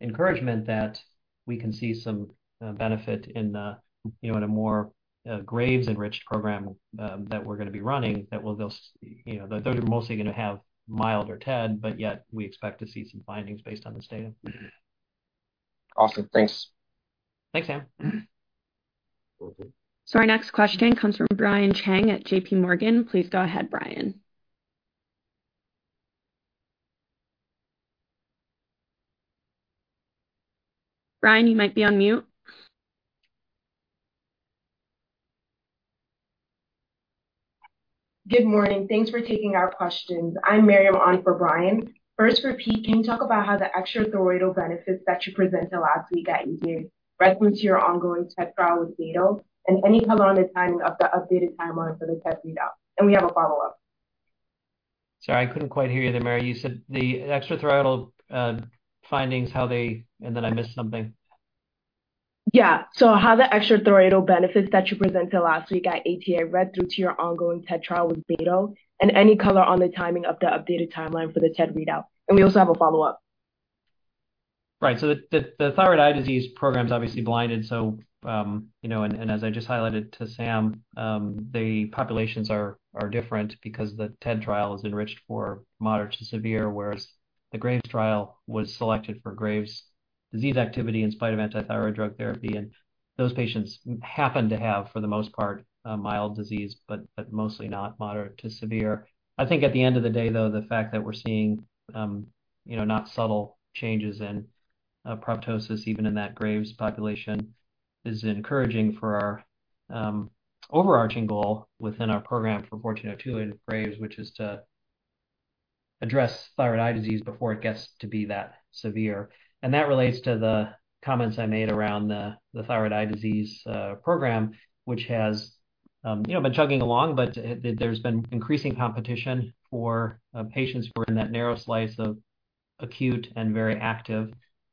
encouragement that we can see some benefit in a more Graves' enriched program that we're going to be running that those are mostly going to have mild or TED, but yet we expect to see some findings based on this data. Awesome. Thanks. Thanks, Sam. Our next question comes from Brian Cheng at JP Morgan. Please go ahead, Brian. Brian, you might be on mute. Good morning. Thanks for taking our questions. I'm Mary. I'm on for Brian. First for Pete, can you talk about how the extrathyroidal benefits that you presented last week at ATA read through to your ongoing TED trial with batoclimab, any color on the timing of the updated timeline for the TED readout? We have a follow-up. Sorry, I couldn't quite hear you there, Mary. You said the extrathyroidal findings. Then I missed something. Yeah. How the extrathyroidal benefits that you presented last week at ATA read through to your ongoing TED trial with IMVT-1402, any color on the timing of the updated timeline for the TED readout. We also have a follow-up. Right. The thyroid eye disease program's obviously blinded. As I just highlighted to Sam, the populations are different because the TED trial is enriched for moderate to severe, whereas the Graves' trial was selected for Graves' disease activity in spite of antithyroid drug therapy. Those patients happen to have, for the most part, a mild disease, but mostly not moderate to severe. I think at the end of the day, though, the fact that we're seeing not subtle changes in proptosis, even in that Graves' population, is encouraging for our overarching goal within our program for IMVT-1402 in Graves', which is to address thyroid eye disease before it gets to be that severe. That relates to the comments I made around the thyroid eye disease program, which has been chugging along, but there's been increasing competition for patients who are in that narrow slice of acute and very active.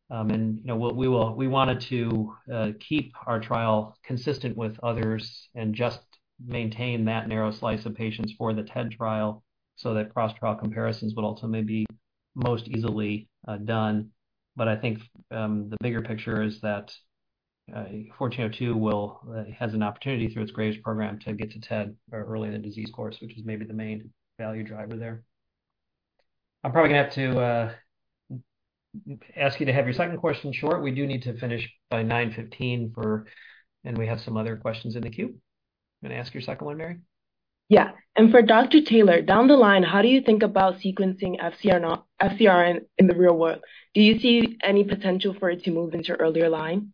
We wanted to keep our trial consistent with others and just maintain that narrow slice of patients for the TED trial so that cross-trial comparisons would also maybe most easily done. I think the bigger picture is that IMVT-1402 has an opportunity through its Graves program to get to TED early in the disease course, which is maybe the main value driver there. I'm probably going to have to ask you to have your second question short. We do need to finish by 9:15 A.M., and we have some other questions in the queue. You want to ask your second one, Mary? Yeah. For Dr. Taylor, down the line, how do you think about sequencing FcRn in the real world? Do you see any potential for it to move into earlier line?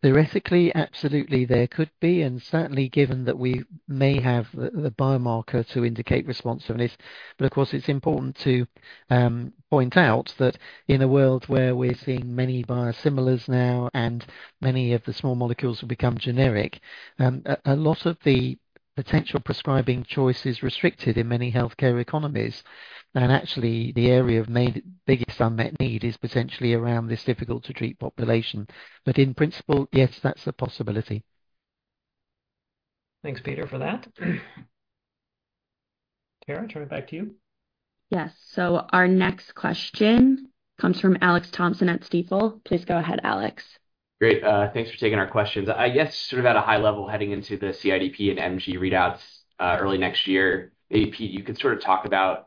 Theoretically, absolutely there could be, and certainly given that we may have the biomarker to indicate responsiveness. Of course, it's important to point out that in a world where we're seeing many biosimilars now and many of the small molecules will become generic, a lot of the potential prescribing choice is restricted in many healthcare economies. Actually, the area of biggest unmet need is potentially around this difficult-to-treat population. In principle, yes, that's a possibility. Thanks, Peter, for that. Tara, turn it back to you. Yes. Our next question comes from Alex Thompson at Stifel. Please go ahead, Alex. Great. Thanks for taking our questions. I guess sort of at a high level heading into the CIDP and MG readouts early next year, maybe, Pete, you could sort of talk about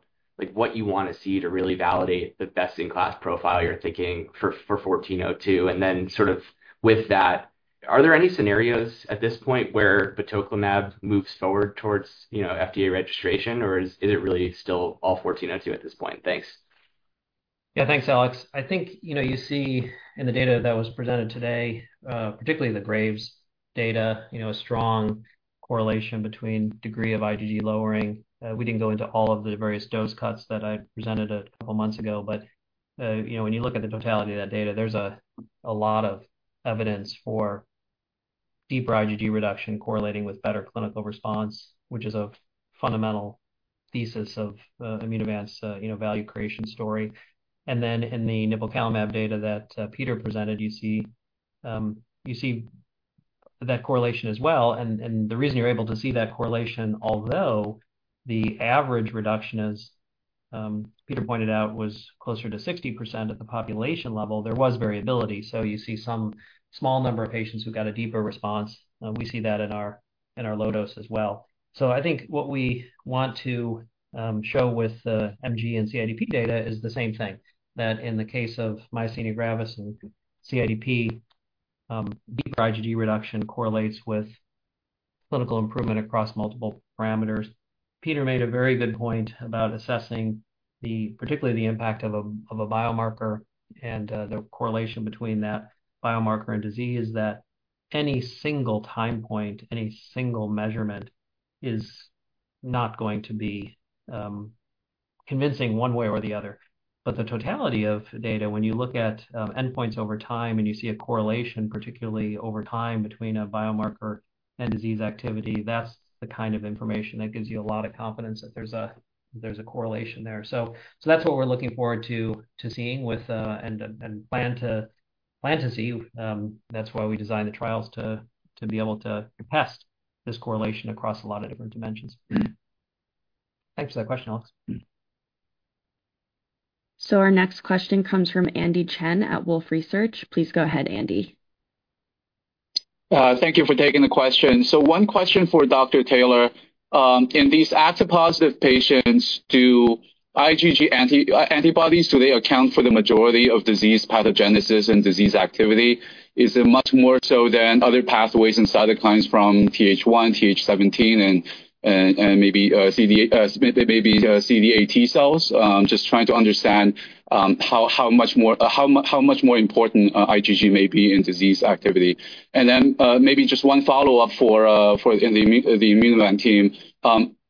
what you want to see to really validate the best-in-class profile you're thinking for 1402. Then sort of with that, are there any scenarios at this point where batoclimab moves forward towards FDA registration? Is it really still all 1402 at this point? Thanks. Thanks, Alex. I think you see in the data that was presented today, particularly the Graves data, a strong correlation between degree of IgG lowering. We didn't go into all of the various dose cuts that I presented a couple of months ago, but when you look at the totality of that data, there's a lot of evidence for deeper IgG reduction correlating with better clinical response, which is a fundamental thesis of Immunovant's value creation story. In the Nipocalimab data that Peter presented, you see that correlation as well. The reason you're able to see that correlation, although the average reduction, as Peter pointed out, was closer to 60% at the population level, there was variability. You see some small number of patients who got a deeper response. We see that in our low dose as well. I think what we want to show with MG and CIDP data is the same thing. That in the case of myasthenia gravis and CIDP, deeper IgG reduction correlates with clinical improvement across multiple parameters. Peter made a very good point about assessing particularly the impact of a biomarker and the correlation between that biomarker and disease, that any single time point, any single measurement is not going to be convincing one way or the other. The totality of data, when you look at endpoints over time and you see a correlation, particularly over time between a biomarker and disease activity, that's the kind of information that gives you a lot of confidence that there's a correlation there. That's what we're looking forward to seeing and plan to see. That's why we designed the trials to be able to test this correlation across a lot of different dimensions. Thanks for that question, Alex. Our next question comes from Andy Chen at Wolfe Research. Please go ahead, Andy. Thank you for taking the question. One question for Dr. Taylor. In these ACPA positive patients, do IgG antibodies, do they account for the majority of disease pathogenesis and disease activity? Is it much more so than other pathways and cytokines from TH1, TH17, and maybe CD8 T cells? Just trying to understand how much more important IgG may be in disease activity. Maybe just one follow-up for the Immunovant team.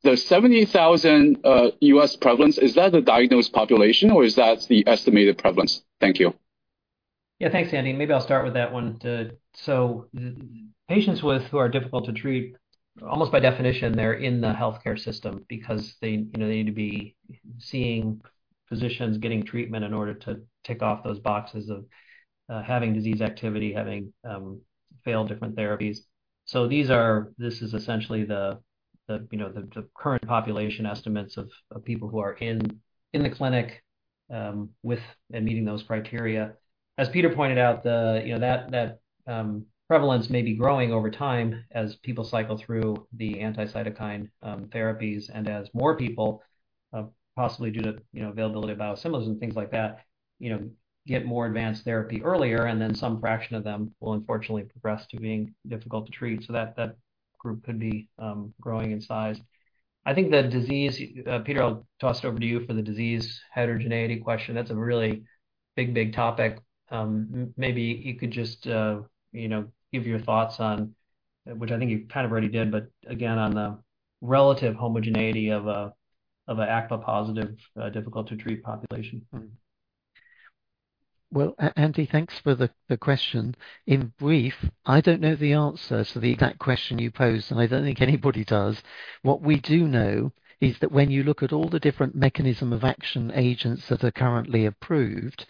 The 70,000 U.S. prevalence, is that the diagnosed population or is that the estimated prevalence? Thank you. Yeah, thanks, Andy. Maybe I'll start with that one. Patients who are difficult to treat, almost by definition, they're in the healthcare system because they need to be seeing physicians, getting treatment in order to tick off those boxes of having disease activity, having failed different therapies. This is essentially the current population estimates of people who are in the clinic with and meeting those criteria. As Peter pointed out, that prevalence may be growing over time as people cycle through the anti-cytokine therapies and as more people, possibly due to availability of biosimilars and things like that, get more advanced therapy earlier, some fraction of them will unfortunately progress to being difficult to treat. That group could be growing in size. I think Peter, I'll toss it over to you for the disease heterogeneity question. That's a Big topic. Maybe you could just give your thoughts on, which I think you kind of already did, but again, on the relative homogeneity of an ACPA positive, difficult to treat population. Well, Andy, thanks for the question. In brief, I don't know the answer to the exact question you posed, and I don't think anybody does. What we do know is that when you look at all the different mechanism of action agents that are currently approved,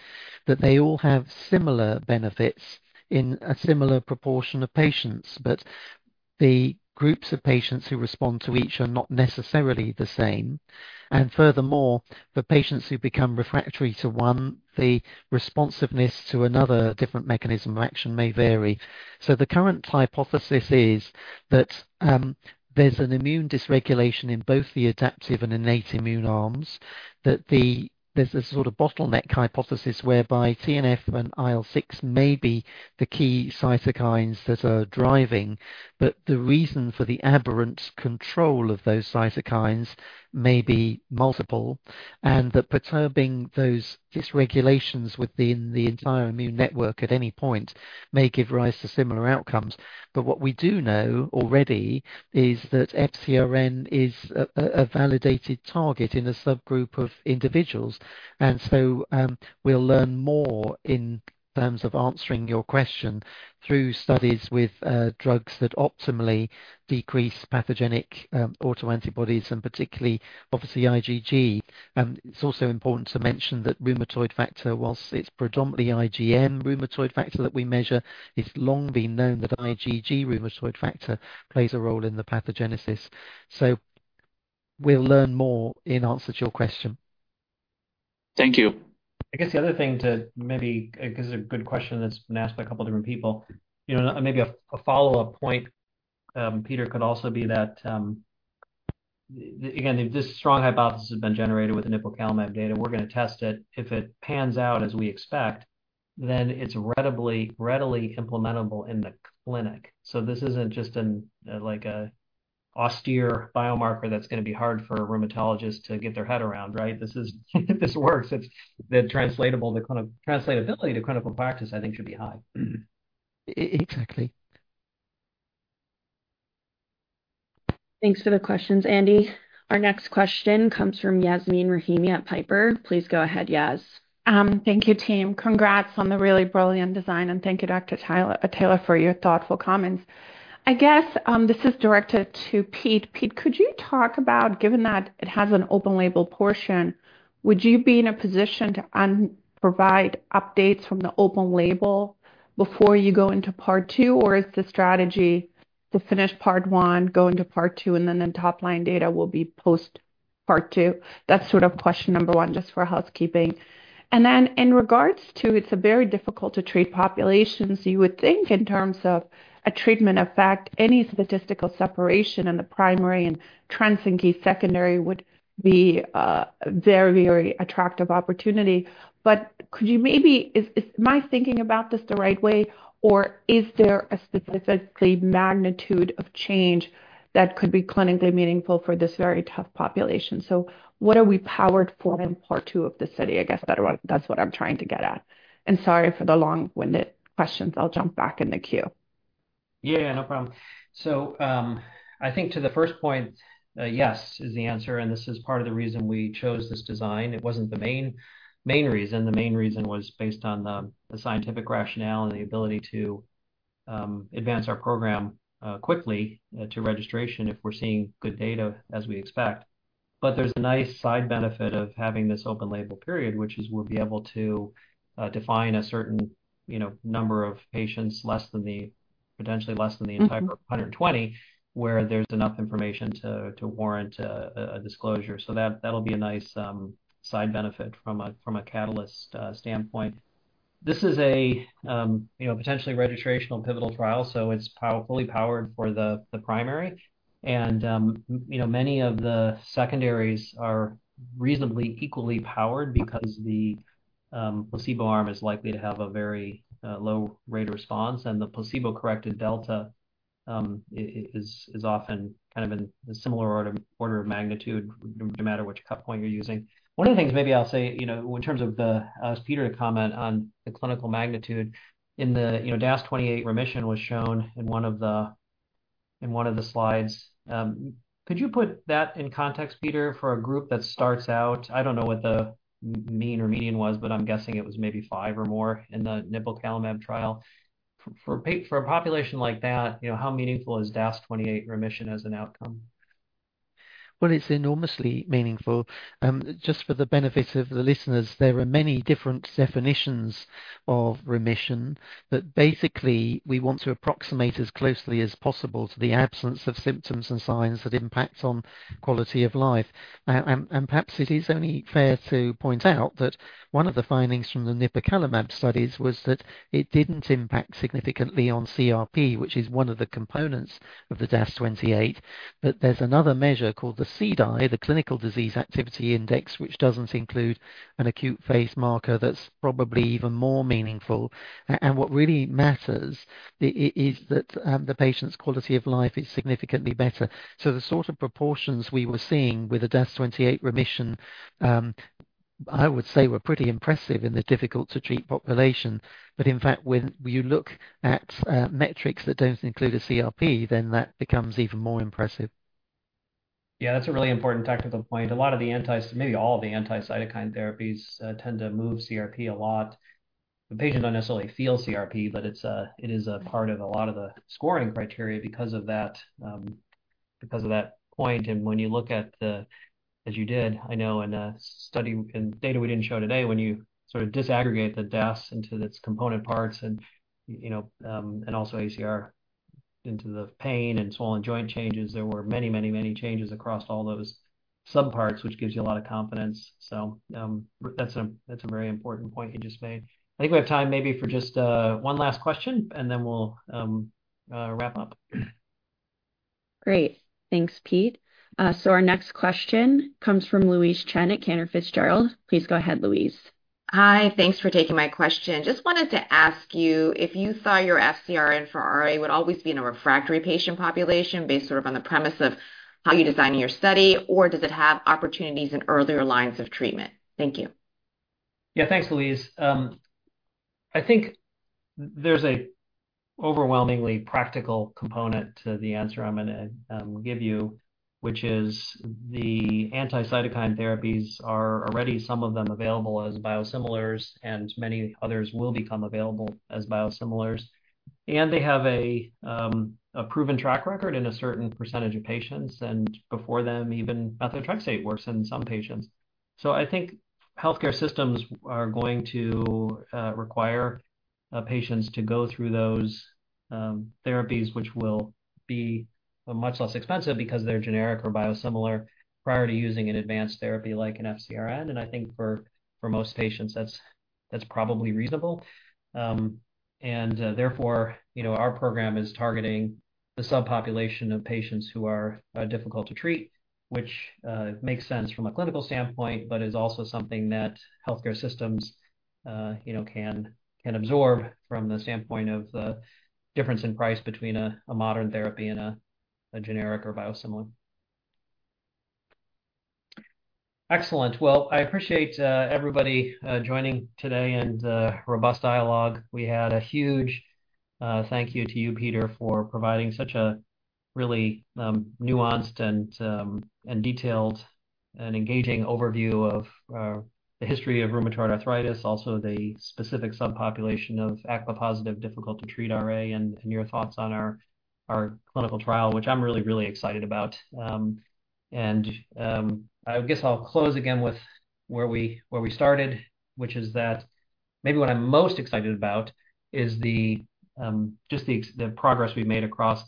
that they all have similar benefits in a similar proportion of patients. The groups of patients who respond to each are not necessarily the same. Furthermore, for patients who become refractory to one, the responsiveness to another different mechanism of action may vary. The current hypothesis is that there's an immune dysregulation in both the adaptive and innate immune arms, that there's a sort of bottleneck hypothesis whereby TNF and IL-6 may be the key cytokines that are driving. The reason for the aberrant control of those cytokines may be multiple, and that perturbing those dysregulations within the entire immune network at any point may give rise to similar outcomes. What we do know already is that FcRn is a validated target in a subgroup of individuals. We'll learn more in terms of answering your question through studies with drugs that optimally decrease pathogenic autoantibodies and particularly obviously IgG. It's also important to mention that rheumatoid factor, whilst it's predominantly IgM rheumatoid factor that we measure, it's long been known that IgG rheumatoid factor plays a role in the pathogenesis. We'll learn more in answer to your question. Thank you. The other thing to maybe, because it's a good question that's been asked by a couple different people, maybe a follow-up point, Peter, could also be that, again, this strong hypothesis has been generated with the Nipocalimab data. We're going to test it. If it pans out as we expect, then it's readily implementable in the clinic. This isn't just an austere biomarker that's going to be hard for rheumatologists to get their head around, right? If this works, the translatability to clinical practice, I think should be high. Exactly. Thanks for the questions, Andy. Our next question comes from Yasmeen Rahimi at Piper. Please go ahead, Yas. Thank you, team. Congrats on the really brilliant design. Thank you, Dr. Taylor, for your thoughtful comments. This is directed to Pete. Pete, could you talk about, given that it has an open label portion, would you be in a position to provide updates from the open label before you go into part 2, or is the strategy to finish part 1, go into part 2, and then the top-line data will be post part 2? That's sort of question number 1, just for housekeeping. In regards to it's a very difficult to treat population. You would think in terms of a treatment effect, any statistical separation in the primary and trends in [key] secondary would be a very, very attractive opportunity. Am I thinking about this the right way, or is there a specifically magnitude of change that could be clinically meaningful for this very tough population? What are we powered for in part two of the study? I guess that's what I'm trying to get at. Sorry for the long-winded questions. I'll jump back in the queue. Yeah, no problem. I think to the first point, yes is the answer, this is part of the reason we chose this design. It wasn't the main reason. The main reason was based on the scientific rationale and the ability to advance our program quickly to registration if we're seeing good data as we expect. There's a nice side benefit of having this open label period, which is we'll be able to define a certain number of patients less than the, potentially less than the entire 120, where there's enough information to warrant a disclosure. That'll be a nice side benefit from a catalyst standpoint. This is a potentially registrational pivotal trial, it's fully powered for the primary. Many of the secondaries are reasonably equally powered because the placebo arm is likely to have a very low rate of response, and the placebo-corrected delta is often kind of in a similar order of magnitude, no matter which cut point you're using. One of the things maybe I'll say, in terms of, ask Peter to comment on the clinical magnitude in the DAS28 remission was shown in one of the slides. Could you put that in context, Peter, for a group that starts out, I don't know what the mean or median was, but I'm guessing it was maybe five or more in the Nipocalimab trial. For a population like that, how meaningful is DAS28 remission as an outcome? Well, it's enormously meaningful. Just for the benefit of the listeners, there are many different definitions of remission, but basically, we want to approximate as closely as possible to the absence of symptoms and signs that impact on quality of life. Perhaps it is only fair to point out that one of the findings from the Nipocalimab studies was that it didn't impact significantly on CRP, which is one of the components of the DAS28. There's another measure called the CDAI, the Clinical Disease Activity Index, which doesn't include an acute phase marker that's probably even more meaningful. What really matters is that the patient's quality of life is significantly better. The sort of proportions we were seeing with the DAS28 remission, I would say were pretty impressive in the difficult-to-treat population. In fact, when you look at metrics that don't include a CRP, that becomes even more impressive. Yeah, that's a really important technical point. A lot of the anti-cytokine therapies tend to move CRP a lot. The patient doesn't necessarily feel CRP, but it is a part of a lot of the scoring criteria because of that point. When you look at the, as you did, I know in a study, in data we didn't show today, when you sort of disaggregate the DAS into its component parts and also ACR into the pain and swollen joint changes, there were many changes across all those subparts, which gives you a lot of confidence. That's a very important point you just made. I think we have time maybe for just one last question, we'll wrap up. Great. Thanks, Pete. Our next question comes from Louise Chen at Cantor Fitzgerald. Please go ahead, Louise. Hi. Thanks for taking my question. Just wanted to ask you if you thought your FcRn for RA would always be in a refractory patient population based sort of on the premise of how you're designing your study, or does it have opportunities in earlier lines of treatment? Thank you. Yeah. Thanks, Louise. I think there's a overwhelmingly practical component to the answer I'm gonna give you, which is the anti-cytokine therapies are already some of them available as biosimilars, and many others will become available as biosimilars. They have a proven track record in a certain percentage of patients, and before them, even methotrexate works in some patients. I think healthcare systems are going to require patients to go through those therapies, which will be much less expensive because they're generic or biosimilar prior to using an advanced therapy like an FcRn. I think for most patients, that's probably reasonable. Therefore, our program is targeting the subpopulation of patients who are difficult to treat, which makes sense from a clinical standpoint, but is also something that healthcare systems can absorb from the standpoint of the difference in price between a modern therapy and a generic or biosimilar. Excellent. Well, I appreciate everybody joining today and the robust dialogue we had. A huge thank you to you, Peter, for providing such a really nuanced and detailed and engaging overview of the history of rheumatoid arthritis, also the specific subpopulation of ACPA-positive difficult-to-treat RA and your thoughts on our clinical trial, which I'm really, really excited about. I guess I'll close again with where we started, which is that maybe what I'm most excited about is just the progress we've made across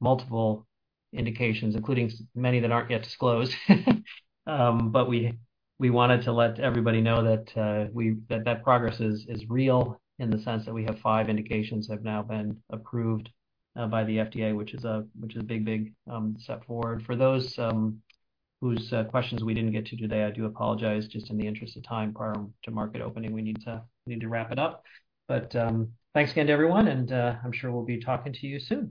multiple indications, including many that aren't yet disclosed. We wanted to let everybody know that that progress is real in the sense that we have five indications have now been approved by the FDA, which is a big, big step forward. For those whose questions we didn't get to today, I do apologize. Just in the interest of time prior to market opening, we need to wrap it up. Thanks again to everyone, and I'm sure we'll be talking to you soon.